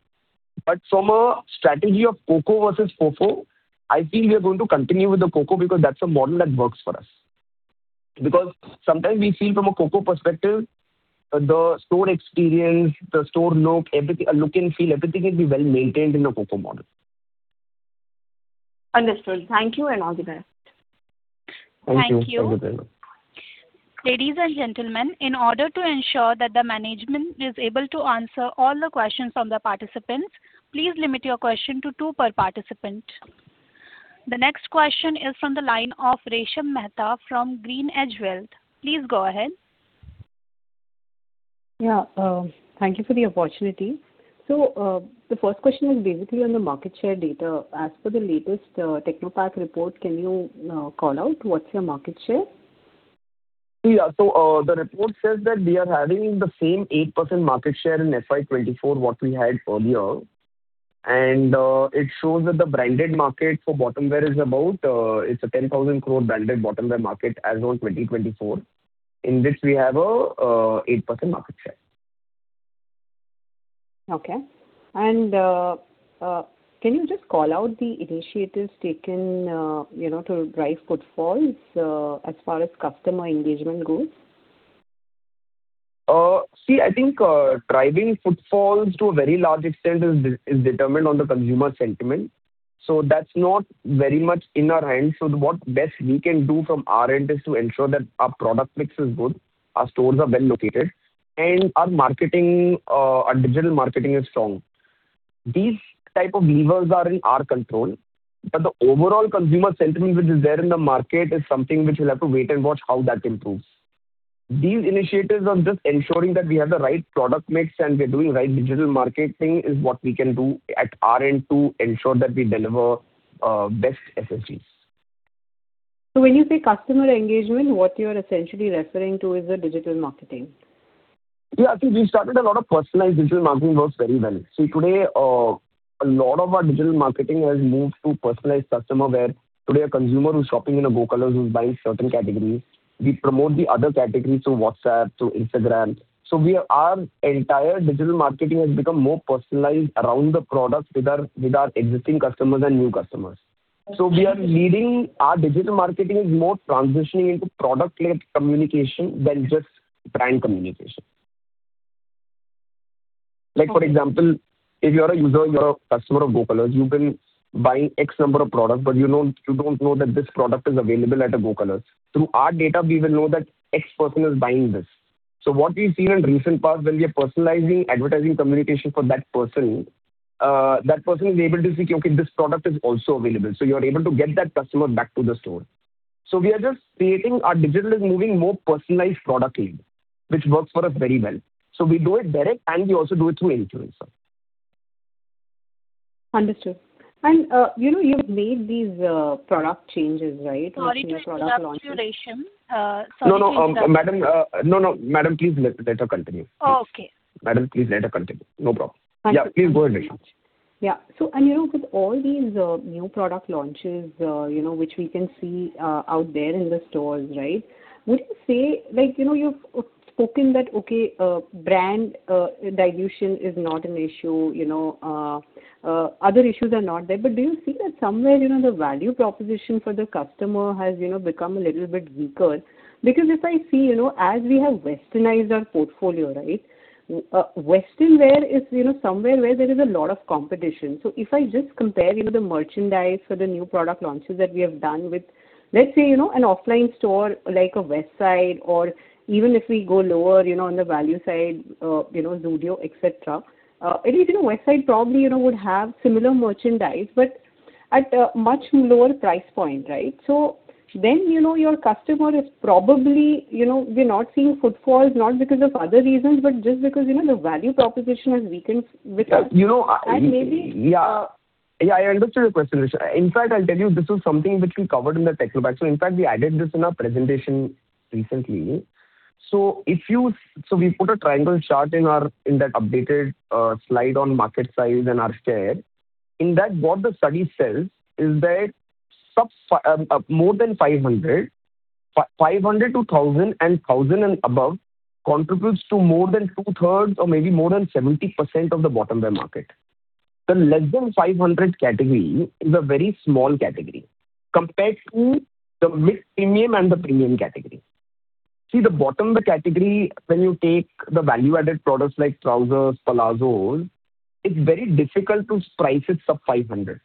But from a strategy of COCO versus FOCO, I feel we are going to continue with the COCO because that's a model that works for us. Because sometimes we feel from a COCO perspective, the store experience, the store look, look and feel, everything will be well maintained in the COCO model. Understood. Thank you and all the best. Thank you. Thank you. Thank you, Prerna. Ladies and gentlemen, in order to ensure that the management is able to answer all the questions from the participants, please limit your question to two per participant. The next question is from the line of Resha Mehta from GreenEdge Wealth Services. Please go ahead. Yeah. Thank you for the opportunity. The first question is basically on the market share data. As for the latest Technopak report, can you call out what's your market share? Yeah. So the report says that we are having the same 8% market share in FY24 what we had earlier. And it shows that the branded market for bottomwear is about, it's a 10,000 crore branded bottomwear market as of 2024, in which we have an 8% market share. Okay. And can you just call out the initiatives taken to drive footfalls as far as customer engagement goes? See, I think driving footfalls to a very large extent is determined on the consumer sentiment. So that's not very much in our hands. So what best we can do from our end is to ensure that our product mix is good, our stores are well located, and our digital marketing is strong. These type of levers are in our control, but the overall consumer sentiment which is there in the market is something which we'll have to wait and watch how that improves. These initiatives of just ensuring that we have the right product mix and we're doing right digital marketing is what we can do at our end to ensure that we deliver best SSSGs. When you say customer engagement, what you're essentially referring to is the digital marketing. Yeah. See, we started a lot of personalized digital marketing works very well. See, today, a lot of our digital marketing has moved to personalized customer where today a consumer who's shopping in a Go Colors who's buying certain categories, we promote the other categories to WhatsApp, to Instagram. So our entire digital marketing has become more personalized around the products with our existing customers and new customers. So we are leading, our digital marketing is more transitioning into product-led communication than just brand communication. For example, if you are a user, you're a customer of Go Colors, you've been buying X number of products, but you don't know that this product is available at a Go Colors. Through our data, we will know that X person is buying this. So what we've seen in recent past, when we are personalizing advertising communication for that person, that person is able to see, okay, this product is also available. So you're able to get that customer back to the store. So we are just creating our digital is moving more personalized product lead, which works for us very well. So we do it direct, and we also do it through influencer. Understood. You've made these product changes, right? Sorry to interrupt. To your product launch. No, no, madam. No, no, madam, please let her continue. Oh, okay. Madam, please let her continue. No problem. Yeah, please go ahead and finish. Yeah. With all these new product launches which we can see out there in the stores, right, would you say you've spoken that, okay, brand dilution is not an issue, other issues are not there, but do you see that somewhere the value proposition for the customer has become a little bit weaker? Because if I see as we have westernized our portfolio, right, western wear is somewhere where there is a lot of competition. So if I just compare the merchandise for the new product launches that we have done with, let's say, an offline store like a Westside or even if we go lower on the value side, Zudio, etc., at least Westside probably would have similar merchandise, but at a much lower price point, right? So then, your customer is probably. You're not seeing footfalls not because of other reasons, but just because the value proposition has weakened with. Yeah. Yeah, I understood your question. In fact, I'll tell you, this was something which we covered in the Technopak. So in fact, we added this in our presentation recently. So we put a triangle chart in that updated slide on market size and our share. In that, what the study says is that more than 500, 500-1,000 and 1,000 and above contributes to more than two-thirds or maybe more than 70% of the bottomwear market. The less than 500 category is a very small category compared to the mid-premium and the premium category. See, the bottomwear category, when you take the value-added products like trousers, palazzos, it's very difficult to price it sub-500.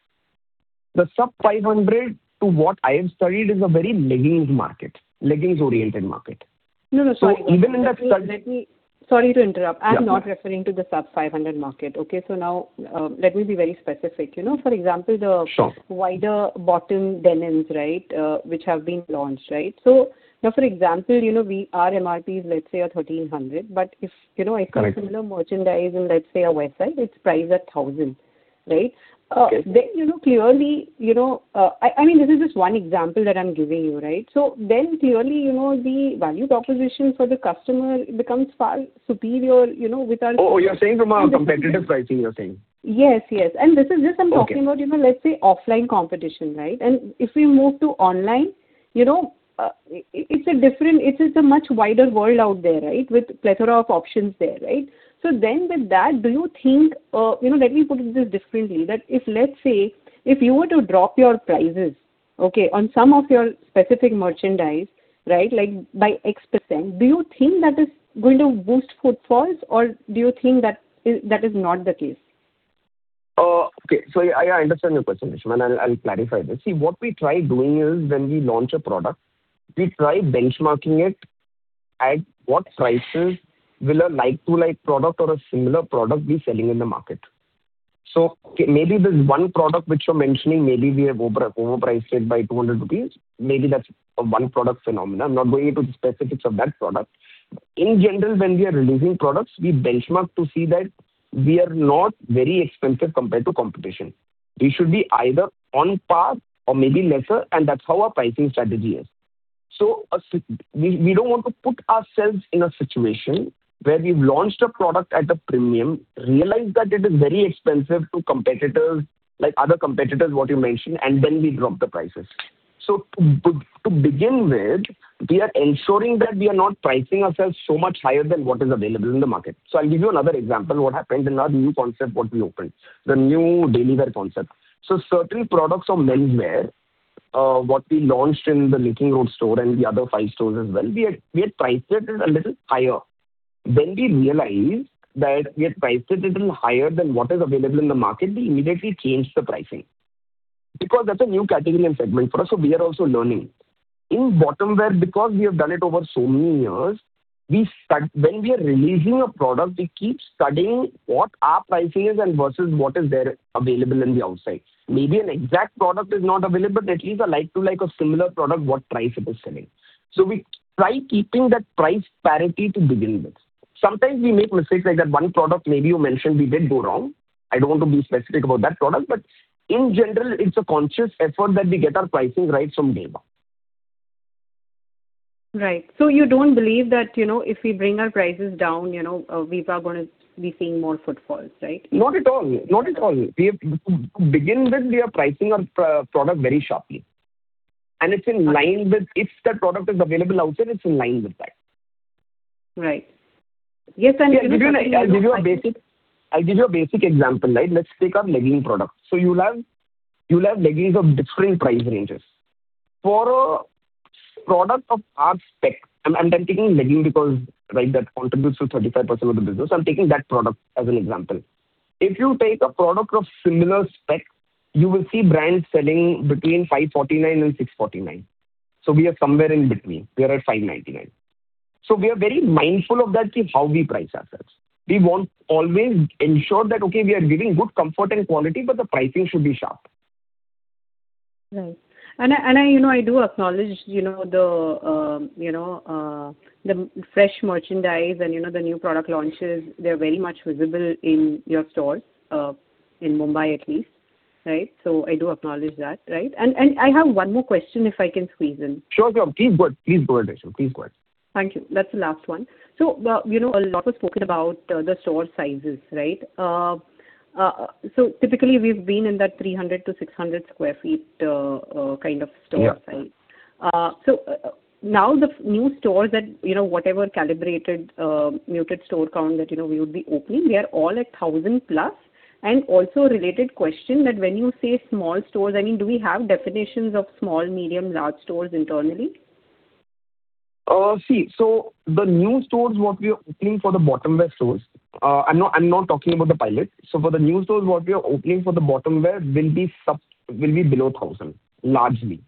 The sub-500, to what I have studied, is a very leggings market, leggings-oriented market. So even in that study. Sorry to interrupt. I'm not referring to the sub-500 market. Okay. So now let me be very specific. For example, the wider bottom denims, right, which have been launched, right? So now, for example, our MRPs, let's say, are 1,300, but if I put similar merchandise in, let's say, a Westside, it's priced at 1,000, right? Then clearly, I mean, this is just one example that I'm giving you, right? So then clearly, the value proposition for the customer becomes far superior with our. Oh, you're saying from our competitor side, see, you're saying. Yes, yes. And this is just I'm talking about, let's say, offline competition, right? And if we move to online, it's a much wider world out there, right, with a plethora of options there, right? So then with that, do you think? Let me put it this differently: that if, let's say, if you were to drop your prices, okay, on some of your specific merchandise, right, by X%, do you think that is going to boost footfalls or do you think that is not the case? Okay. So yeah, I understand your question, Resha, and I'll clarify this. See, what we try doing is when we launch a product, we try benchmarking it at what prices will a like-to-like product or a similar product be selling in the market. So maybe this one product which you're mentioning, maybe we have overpriced it by 200 rupees. Maybe that's a one-product phenomenon. I'm not going into the specifics of that product. In general, when we are releasing products, we benchmark to see that we are not very expensive compared to competition. We should be either on par or maybe lesser, and that's how our pricing strategy is. So we don't want to put ourselves in a situation where we've launched a product at a premium, realized that it is very expensive to other competitors, what you mentioned, and then we drop the prices. So to begin with, we are ensuring that we are not pricing ourselves so much higher than what is available in the market. So I'll give you another example. What happened in our new concept, what we opened, the new Daily Wear Concept. So certain products of menswear, what we launched in the Linking Road store and the other five stores as well, we had priced it a little higher. When we realized that we had priced it a little higher than what is available in the market, we immediately changed the pricing because that's a new category and segment for us. So we are also learning. In bottomwear, because we have done it over so many years, when we are releasing a product, we keep studying what our pricing is versus what is there available on the outside. Maybe an exact product is not available, but at least a like-to-like or similar product, what price it is selling. So we try keeping that price parity to begin with. Sometimes we make mistakes like that one product maybe you mentioned we did go wrong. I don't want to be specific about that product, but in general, it's a conscious effort that we get our pricing right from day one. Right. So you don't believe that if we bring our prices down, we are going to be seeing more footfalls, right? Not at all. Not at all. To begin with, we are pricing our product very sharply. It's in line with if that product is available out there, it's in line with that. Right. Yes, and. I'll give you a basic example, right? Let's take our leggings product. So you'll have leggings of different price ranges. For a product of our spec, and I'm taking leggings because that contributes to 35% of the business, I'm taking that product as an example. If you take a product of similar spec, you will see brands selling between 549 rupees and 649 rupees. So we are somewhere in between. We are at 599 rupees. So we are very mindful of that, how we price ourselves. We want to always ensure that, okay, we are giving good comfort and quality, but the pricing should be sharp. Right. And I do acknowledge the fresh merchandise and the new product launches. They're very much visible in your stores in Mumbai, at least, right? So I do acknowledge that, right? And I have one more question if I can squeeze in. Sure, sure. Please go ahead, Resha. Please go ahead. Thank you. That's the last one. So a lot was spoken about the store sizes, right? So typically, we've been in that 300-600 sq ft kind of store size. So now the new stores that whatever calibrated muted store count that we would be opening, they are all at 1,000+. And also a related question that when you say small stores, I mean, do we have definitions of small, medium, large stores internally? See, so the new stores what we are opening for the bottomwear stores I'm not talking about the pilot. So for the new stores what we are opening for the bottomwear will be below 1,000, largely.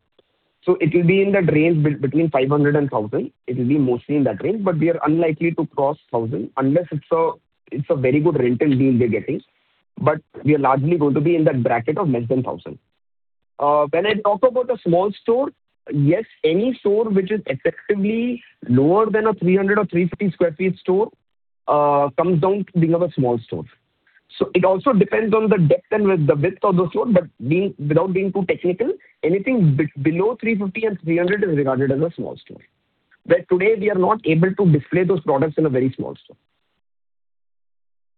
So it will be in that range between 500 and 1,000. It will be mostly in that range, but we are unlikely to cross 1,000 unless it's a very good rental deal we're getting. But we are largely going to be in that bracket of less than 1,000. When I talk about a small store, yes, any store which is effectively lower than a 300 or 350 sq ft store comes down to being a small store. So it also depends on the depth and the width of the store, but without being too technical, anything below 350 and 300 is regarded as a small store. But today, we are not able to display those products in a very small store.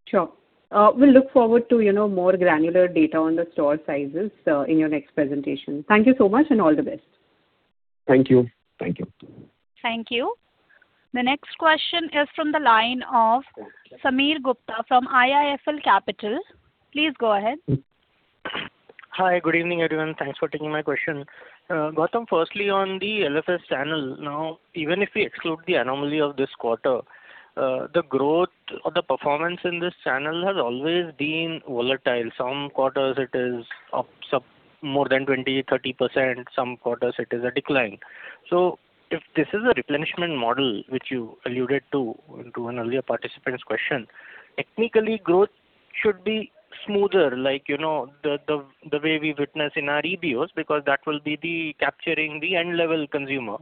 Sure. We'll look forward to more granular data on the store sizes in your next presentation. Thank you so much and all the best. Thank you. Thank you. Thank you. The next question is from the line of Sameer Gupta from IIFL Securities. Please go ahead. Hi. Good evening, everyone. Thanks for taking my question. Gautam, firstly, on the LFS channel, now, even if we exclude the anomaly of this quarter, the growth or the performance in this channel has always been volatile. Some quarters, it is up more than 20%-30%. Some quarters, it is a decline. So if this is a replenishment model, which you alluded to in Second Quarter and earlier participants' question, technically, growth should be smoother like the way we witness in our EBOs because that will be the capturing the end-level consumer.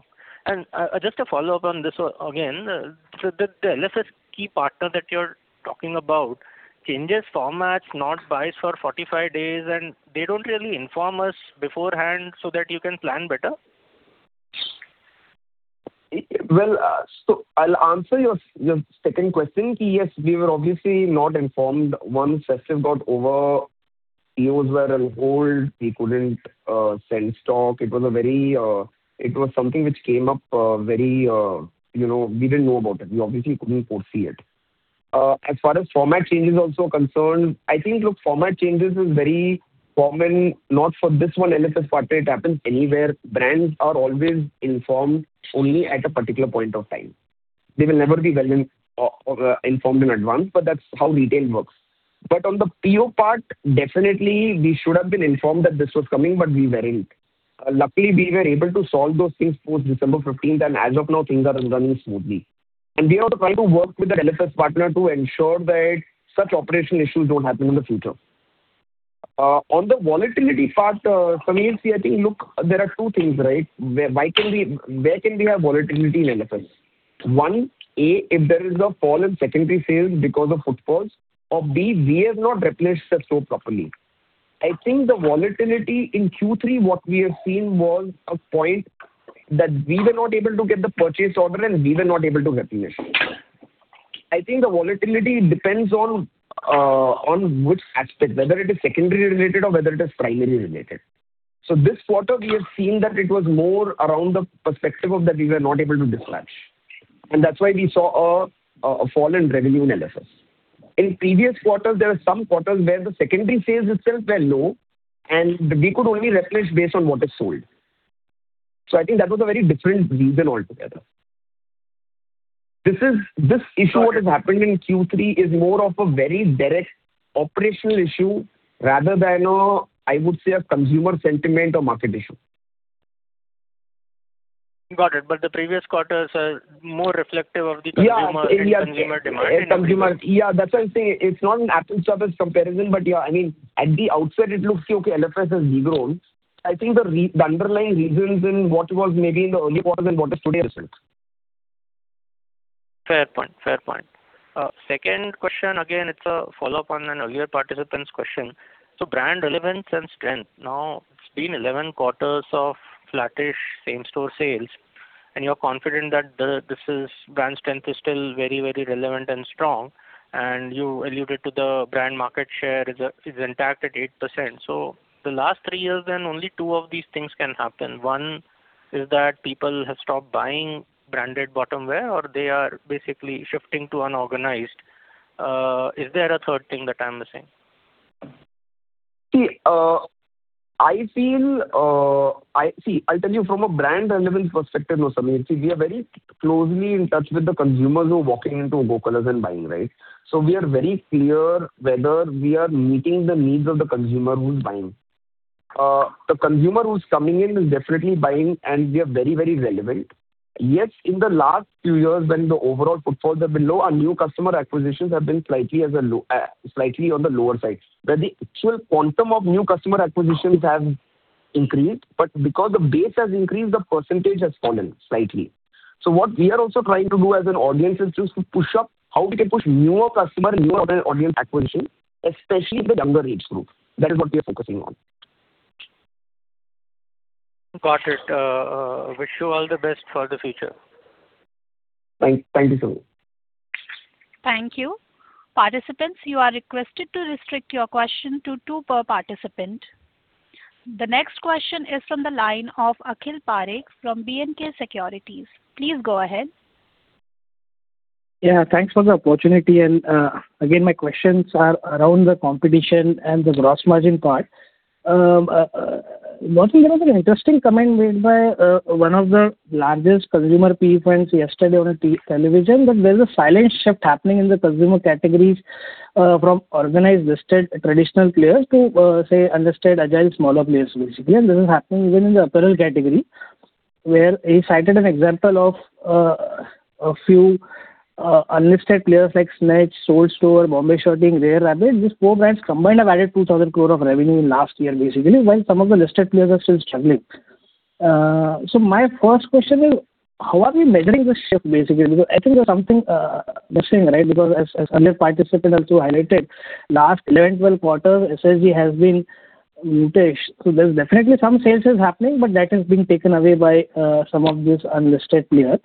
And just a follow-up on this again, the LFS key partner that you're talking about changes formats, not buys for 45 days, and they don't really inform us beforehand so that you can plan better? Well, so I'll answer your second question. Yes, we were obviously not informed once Festive got over. EBOs were on hold. We couldn't send stock. It was something which came up. We didn't know about it. We obviously couldn't foresee it. As far as format changes also concerned, I think format changes is very common, not for this one LFS part. It happens anywhere. Brands are always informed only at a particular point of time. They will never be well-informed in advance, but that's how retail works. But on the PO part, definitely, we should have been informed that this was coming, but we weren't. Luckily, we were able to solve those things post-December 15th, and as of now, things are running smoothly. And we are trying to work with the LFS partner to ensure that such operational issues don't happen in the future. On the volatility part, Sameer, see, I think, look, there are two things, right? Where can we have volatility in LFS? One, A, if there is a fall in secondary sales because of footfalls, or B, we have not replenished the stock properly. I think the volatility in Q3, what we have seen was a point that we were not able to get the purchase order, and we were not able to replenish. I think the volatility depends on which aspect, whether it is secondary related or whether it is primary related. So this quarter, we have seen that it was more around the perspective of that we were not able to dispatch. That's why we saw a fall in revenue in LFS. In previous quarters, there were some quarters where the secondary sales itself were low, and we could only replenish based on what is sold. So I think that was a very different reason altogether. This issue, what has happened in Q3, is more of a very direct operational issue rather than, I would say, a consumer sentiment or market issue. Got it. But the previous quarters were more reflective of the consumer demand. Yeah. Yeah. That's why I'm saying it's not an absolute surface comparison, but yeah, I mean, at the outset, it looks okay. LFS has regrown. I think the underlying reasons in what was maybe in the early quarters and what is today are different. Fair point. Fair point. Second question, again, it's a follow-up on an earlier participant's question. So brand relevance and strength. Now, it's been 11 quarters of flattish same-store sales, and you're confident that this brand strength is still very, very relevant and strong. And you alluded to the brand market share is intact at 8%. So the last three years, then only two of these things can happen. One is that people have stopped buying branded bottomwear, or they are basically shifting to unorganized. Is there a third thing that I'm missing? See, I'll tell you from a brand relevance perspective, Sameer, see, we are very closely in touch with the consumers who are walking into Go Colors and buying, right? So we are very clear whether we are meeting the needs of the consumer who's buying. The consumer who's coming in is definitely buying, and we are very, very relevant. Yes, in the last few years, when the overall footfalls have been low, our new customer acquisitions have been slightly on the lower side. But the actual quantum of new customer acquisitions has increased, but because the base has increased, the percentage has fallen slightly. So what we are also trying to do as an audience is to push up how we can push newer customers, newer audience acquisition, especially the younger age group. That is what we are focusing on. Got it. Wish you all the best for the future. Thank you. Thank you so much. Thank you. Participants, you are requested to restrict your question to two per participant. The next question is from the line of Akhil Parekh from B&K Securities. Please go ahead. Yeah. Thanks for the opportunity. And again, my questions are around the competition and the gross margin part. Gautam, there was an interesting comment made by one of the largest consumer PE friends yesterday on television that there's a silent shift happening in the consumer categories from organized listed traditional players to, say, understated, agile, smaller players, basically. And this is happening even in the apparel category, where he cited an example of a few unlisted players like Snitch, Souled Store, Bombay Shirt Company, Rare Rabbit. These four brands combined have added 2,000 crore of revenue last year, basically, while some of the listed players are still struggling. So my first question is, how are we measuring this shift, basically? Because I think there's something missing, right? Because as other participants have also highlighted, last 11, 12 quarters, SSG has been muted. So there's definitely some sales happening, but that has been taken away by some of these unlisted players.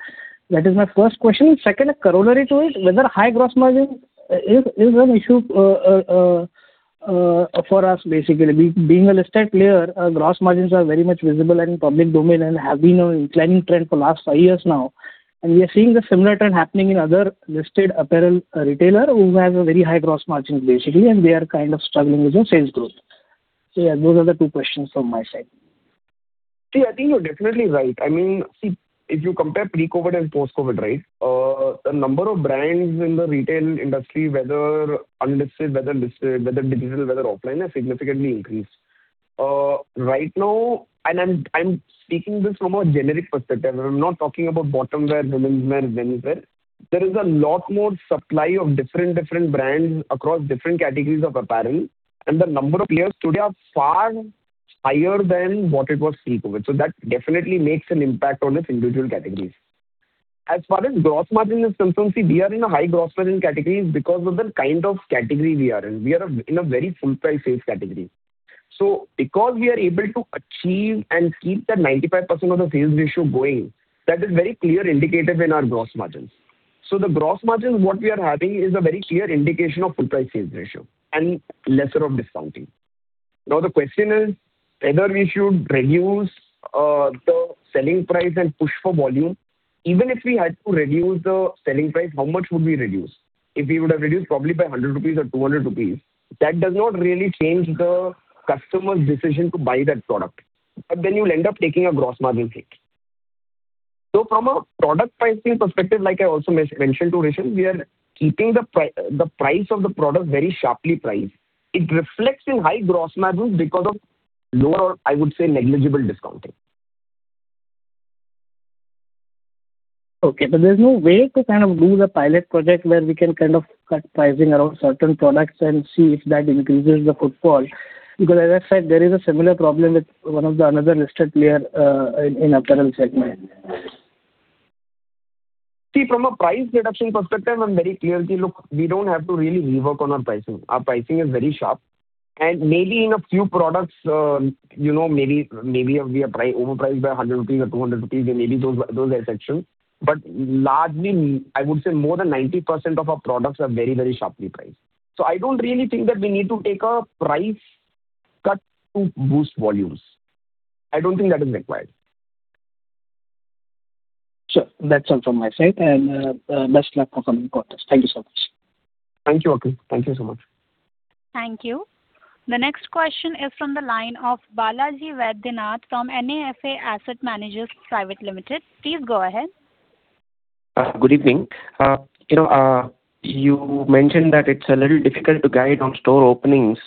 That is my first question. Second, a corollary to it, whether high gross margin is an issue for us, basically. Being a listed player, gross margins are very much visible and public domain and have been an inclining trend for the last five years now. And we are seeing a similar trend happening in other listed apparel retailers who have very high gross margins, basically, and they are kind of struggling with their sales growth. So yeah, those are the two questions from my side. See, I think you're definitely right. I mean, see, if you compare pre-COVID and post-COVID, right, the number of brands in the retail industry, whether unlisted, whether listed, whether digital, whether offline, has significantly increased. Right now, and I'm speaking this from a generic perspective. I'm not talking about bottom wear, women's wear, men's wear. There is a lot more supply of different brands across different categories of apparel, and the number of players today are far higher than what it was pre-COVID. So that definitely makes an impact on its individual categories. As far as gross margin is concerned, see, we are in a high gross margin category because of the kind of category we are in. We are in a very full-price sales category. So because we are able to achieve and keep that 95% of the sales ratio going, that is a very clear indicator in our gross margins. So the gross margins what we are having is a very clear indication of full-price sales ratio and lesser of discounting. Now, the question is whether we should reduce the selling price and push for volume. Even if we had to reduce the selling price, how much would we reduce? If we would have reduced probably by 100 rupees or 200 rupees, that does not really change the customer's decision to buy that product. But then you'll end up taking a gross margin hit. So from a product pricing perspective, like I also mentioned to Resha, we are keeping the price of the product very sharply priced. It reflects in high gross margins because of lower, I would say, negligible discounting. Okay. But there's no way to kind of do the pilot project where we can kind of cut pricing around certain products and see if that increases the footfall. Because as I said, there is a similar problem with one of the other listed player in apparel segment. See, from a price reduction perspective, I'm very clear here. Look, we don't have to really rework on our pricing. Our pricing is very sharp. Maybe in a few products, maybe we are overpriced by 100 rupees or 200 rupees. Maybe those are exceptions. Largely, I would say more than 90% of our products are very, very sharply priced. I don't really think that we need to take a price cut to boost volumes. I don't think that is required. Sure. That's all from my side. Best luck for coming quarters. Thank you so much. Thank you, Akhil. Thank you so much. Thank you. The next question is from the line of Balaji Vaidyanath from NAFA Asset Managers Private Limited. Please go ahead. Good evening. You mentioned that it's a little difficult to guide on store openings,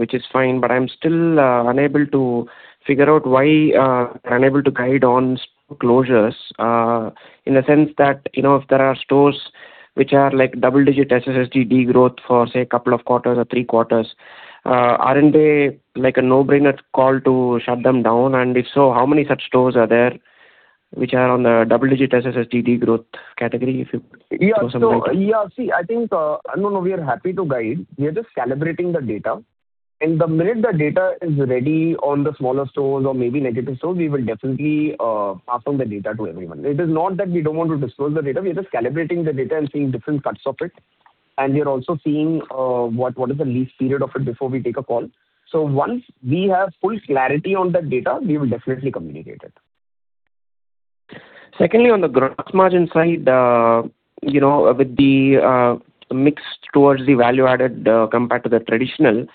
which is fine, but I'm still unable to figure out why I'm unable to guide on store closures in the sense that if there are stores which are double-digit SSSG for, say, a couple of quarters or three quarters, aren't they a no-brainer call to shut them down? And if so, how many such stores are there which are on the double-digit SSSG category? Yeah. So yeah, see, I think I don't know. We are happy to guide. We are just celebrating the data. And the minute the data is ready on the smaller stores or maybe negative stores, we will definitely pass on the data to everyone. It is not that we don't want to disclose the data. We are just celebrating the data and seeing different cuts of it. And we are also seeing what is the least period of it before we take a call. So once we have full clarity on that data, we will definitely communicate it. Secondly, on the gross margin side, with the mix towards the value-added compared to the traditional.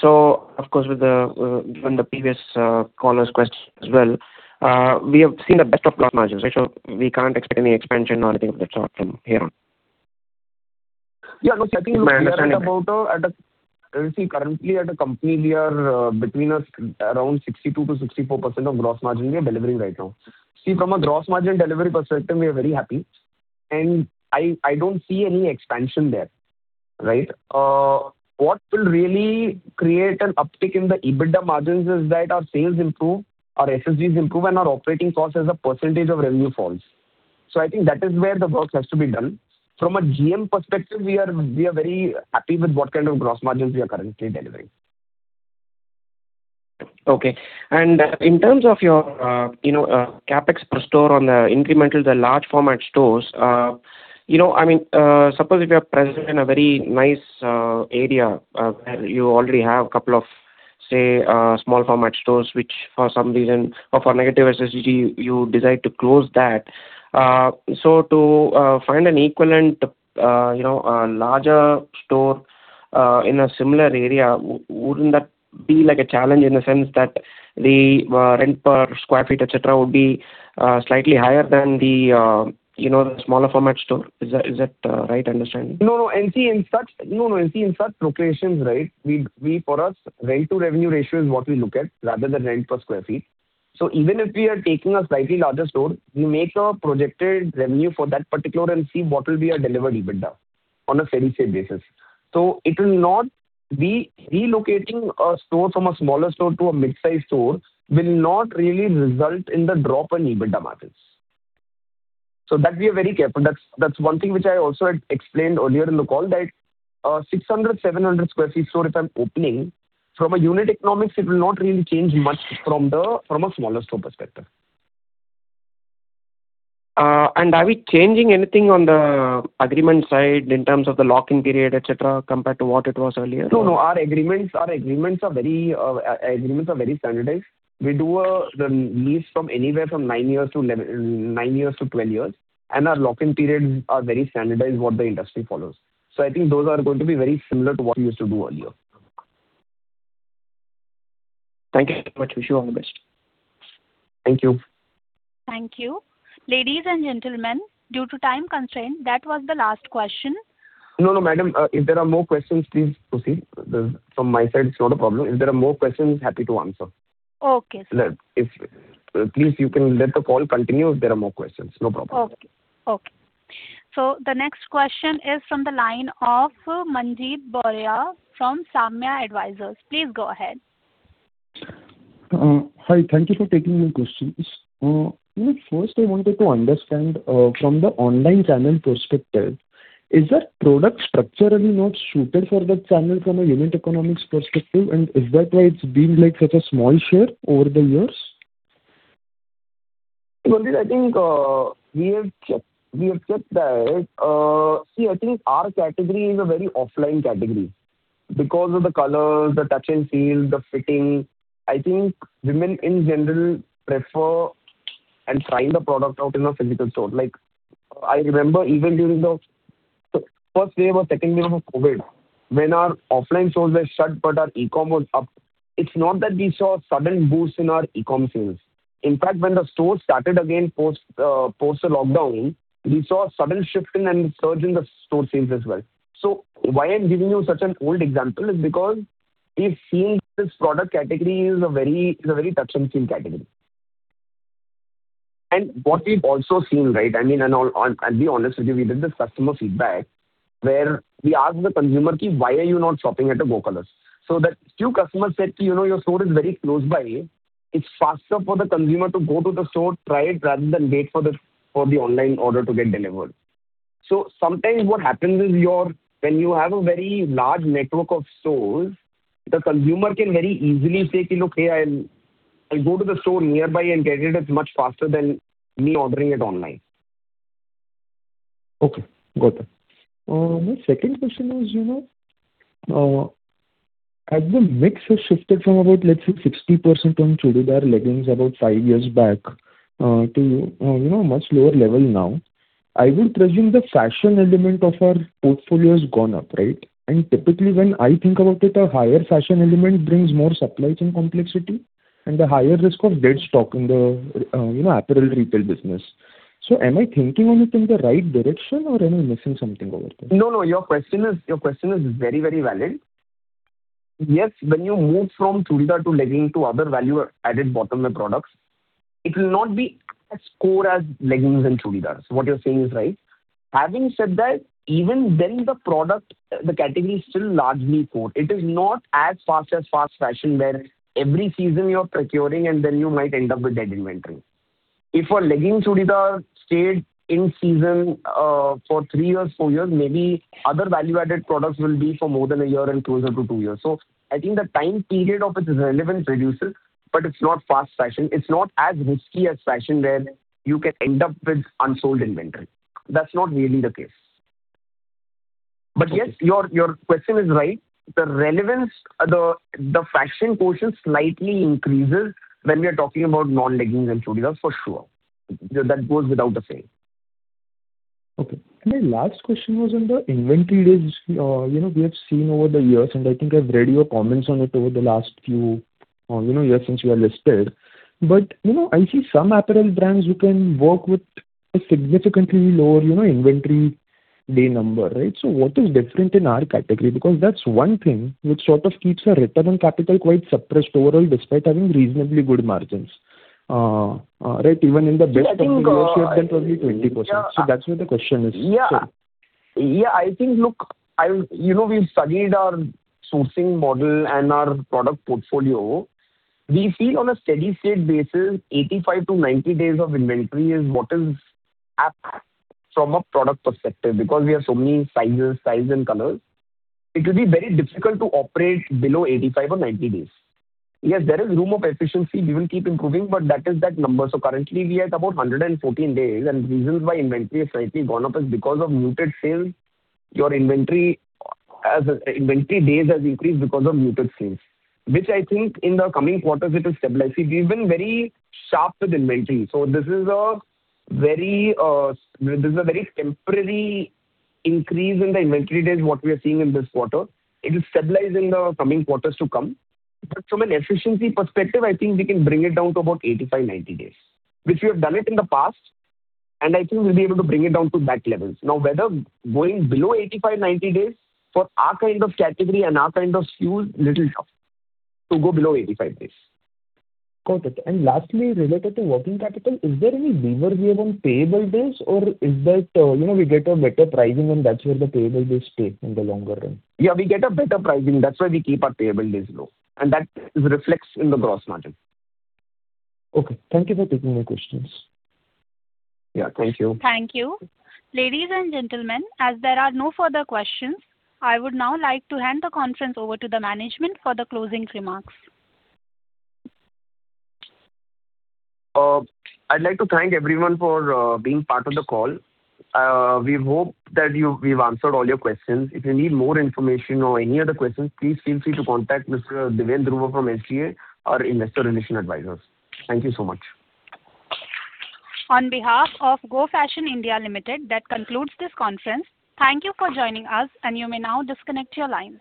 So of course, given the previous caller's question as well, we have seen the best of gross margins, right? So we can't expect any expansion or anything of that sort from here on. Yeah. No, see, I think looking at the EBITDA, see, currently at the company here, between around 62%-64% gross margin, we are delivering right now. See, from a gross margin delivery perspective, we are very happy. And I don't see any expansion there, right? What will really create an uptick in the EBITDA margins is that our sales improve, our SSGs improve, and our operating cost as a percentage of revenue falls. So I think that is where the work has to be done. From a GM perspective, we are very happy with what kind of gross margins we are currently delivering. Okay. And in terms of your CapEx per store on the incremental, the large-format stores, I mean, suppose if you are present in a very nice area where you already have a couple of, say, small-format stores, which for some reason, or for negative SSG, you decide to close that. So to find an equivalent, a larger store in a similar area, wouldn't that be a challenge in the sense that the rent per square feet, etc., would be slightly higher than the smaller-format store? Is that a right understanding? No. And see, in such locations, right, for us, rent-to-revenue ratio is what we look at rather than rent per sq ft. So even if we are taking a slightly larger store, we make a projected revenue for that particular and see what will be our delivered EBITDA on a steady-state basis. So it will not be relocating a store from a smaller store to a mid-sized store will not really result in the drop in EBITDA margins. So that we are very careful. That's one thing which I also explained earlier in the call that 600, 700 sq ft store, if I'm opening, from a unit economics, it will not really change much from a smaller-store perspective. Are we changing anything on the agreement side in terms of the lock-in period, etc., compared to what it was earlier? No, no. Our agreements are very standardized. We do the lease from anywhere from 9 years to 12 years. And our lock-in periods are very standardized what the industry follows. So I think those are going to be very similar to what we used to do earlier. Thank you so much. Wish you all the best. Thank you. Thank you. Ladies and gentlemen, due to time constraint, that was the last question. No, no, madam. If there are more questions, please proceed. From my side, it's not a problem. If there are more questions, happy to answer. Okay. Please, you can let the call continue if there are more questions. No problem. Okay. Okay. So the next question is from the line of Manjeet Buaria from Solidarity Investment Managers. Please go ahead. Hi. Thank you for taking my questions. First, I wanted to understand from the online channel perspective, is that product structurally not suited for the channel from a unit economics perspective? And is that why it's been such a small share over the years? Well, I think we have checked that. See, I think our category is a very offline category. Because of the colors, the touch and feel, the fitting, I think women in general prefer and try the product out in a physical store. I remember even during the first wave or second wave of COVID, when our offline stores were shut but our e-commerce up, it's not that we saw a sudden boost in our e-commerce sales. In fact, when the stores started again post the lockdown, we saw a sudden shift in, and surge in the store sales as well. So why I'm giving you such an old example is because we've seen this product category is a very touch-and-feel category. And what we've also seen, right, I mean, and I'll be honest with you, we did this customer feedback where we asked the consumer, "Why are you not shopping at a Go Colors?" So that few customers said, "Your store is very close by. It's faster for the consumer to go to the store, try it, rather than wait for the online order to get delivered." So sometimes what happens is when you have a very large network of stores, the consumer can very easily say, "Look, hey, I'll go to the store nearby and get it. It's much faster than me ordering it online. Okay. Got it. My second question is, as the mix has shifted from about, let's say, 60% on Churidar leggings about five years back to a much lower level now, I would presume the fashion element of our portfolio has gone up, right? And typically, when I think about it, a higher fashion element brings more supplies and complexity and a higher risk of dead stock in the apparel retail business. So am I thinking of it in the right direction, or am I missing something over there? No, no. Your question is very, very valid. Yes, when you move from churidar to leggings to other value-added bottomwear products, it will not be as core as leggings and churidars. What you're saying is right. Having said that, even then, the product, the category is still largely core. It is not as fast as fast fashion where every season you are procuring, and then you might end up with dead inventory. If a leggings churidar stayed in season for three years, four years, maybe other value-added products will be for more than a year and closer to two years. So I think the time period of its relevance reduces, but it's not fast fashion. It's not as risky as fashion where you can end up with unsold inventory. That's not really the case. But yes, your question is right. The relevance, the fashion portion slightly increases when we are talking about non-leggings and churidars, for sure. That goes without saying. Okay. My last question was on the inventory risk. We have seen over the years, and I think I've read your comments on it over the last few years since we are listed. But I see some apparel brands who can work with a significantly lower inventory day number, right? So what is different in our category? Because that's one thing which sort of keeps our return on capital quite suppressed overall despite having reasonably good margins, right? Even in the best of the dealership, that was only 20%. So that's where the question is. Yeah. Yeah. I think, look, we studied our sourcing model and our product portfolio. We feel on a steady-state basis, 85-90 days of inventory is what is up from a product perspective. Because we have so many sizes, size, and colors, it will be very difficult to operate below 85 or 90 days. Yes, there is room of efficiency. We will keep improving, but that is that number. So currently, we are at about 114 days. And the reasons why inventory has slightly gone up is because of muted sales. Your inventory days have increased because of muted sales, which I think in the coming quarters, it will stabilize. See, we've been very sharp with inventory. So this is a very temporary increase in the inventory days what we are seeing in this quarter. It will stabilize in the coming quarters to come. From an efficiency perspective, I think we can bring it down to about 85-90 days, which we have done it in the past. I think we'll be able to bring it down to that level. Now, whether going below 85-90 days for our kind of category and our kind of SKUs is a little tough to go below 85 days. Got it. Lastly, related to working capital, is there any leverage here on payable days, or is that we get a better pricing, and that's where the payable days stay in the longer run? Yeah, we get a better pricing. That's why we keep our payable days low. That reflects in the gross margin. Okay. Thank you for taking my questions. Yeah. Thank you. Thank you. Ladies and gentlemen, as there are no further questions, I would now like to hand the conference over to the management for the closing remarks. I'd like to thank everyone for being part of the call. We hope that we've answered all your questions. If you need more information or any other questions, please feel free to contact Mr. Deven Dhruva from SGA, our investor relations advisors. Thank you so much. On behalf of Go Fashion (India) Limited, that concludes this conference. Thank you for joining us, and you may now disconnect your lines.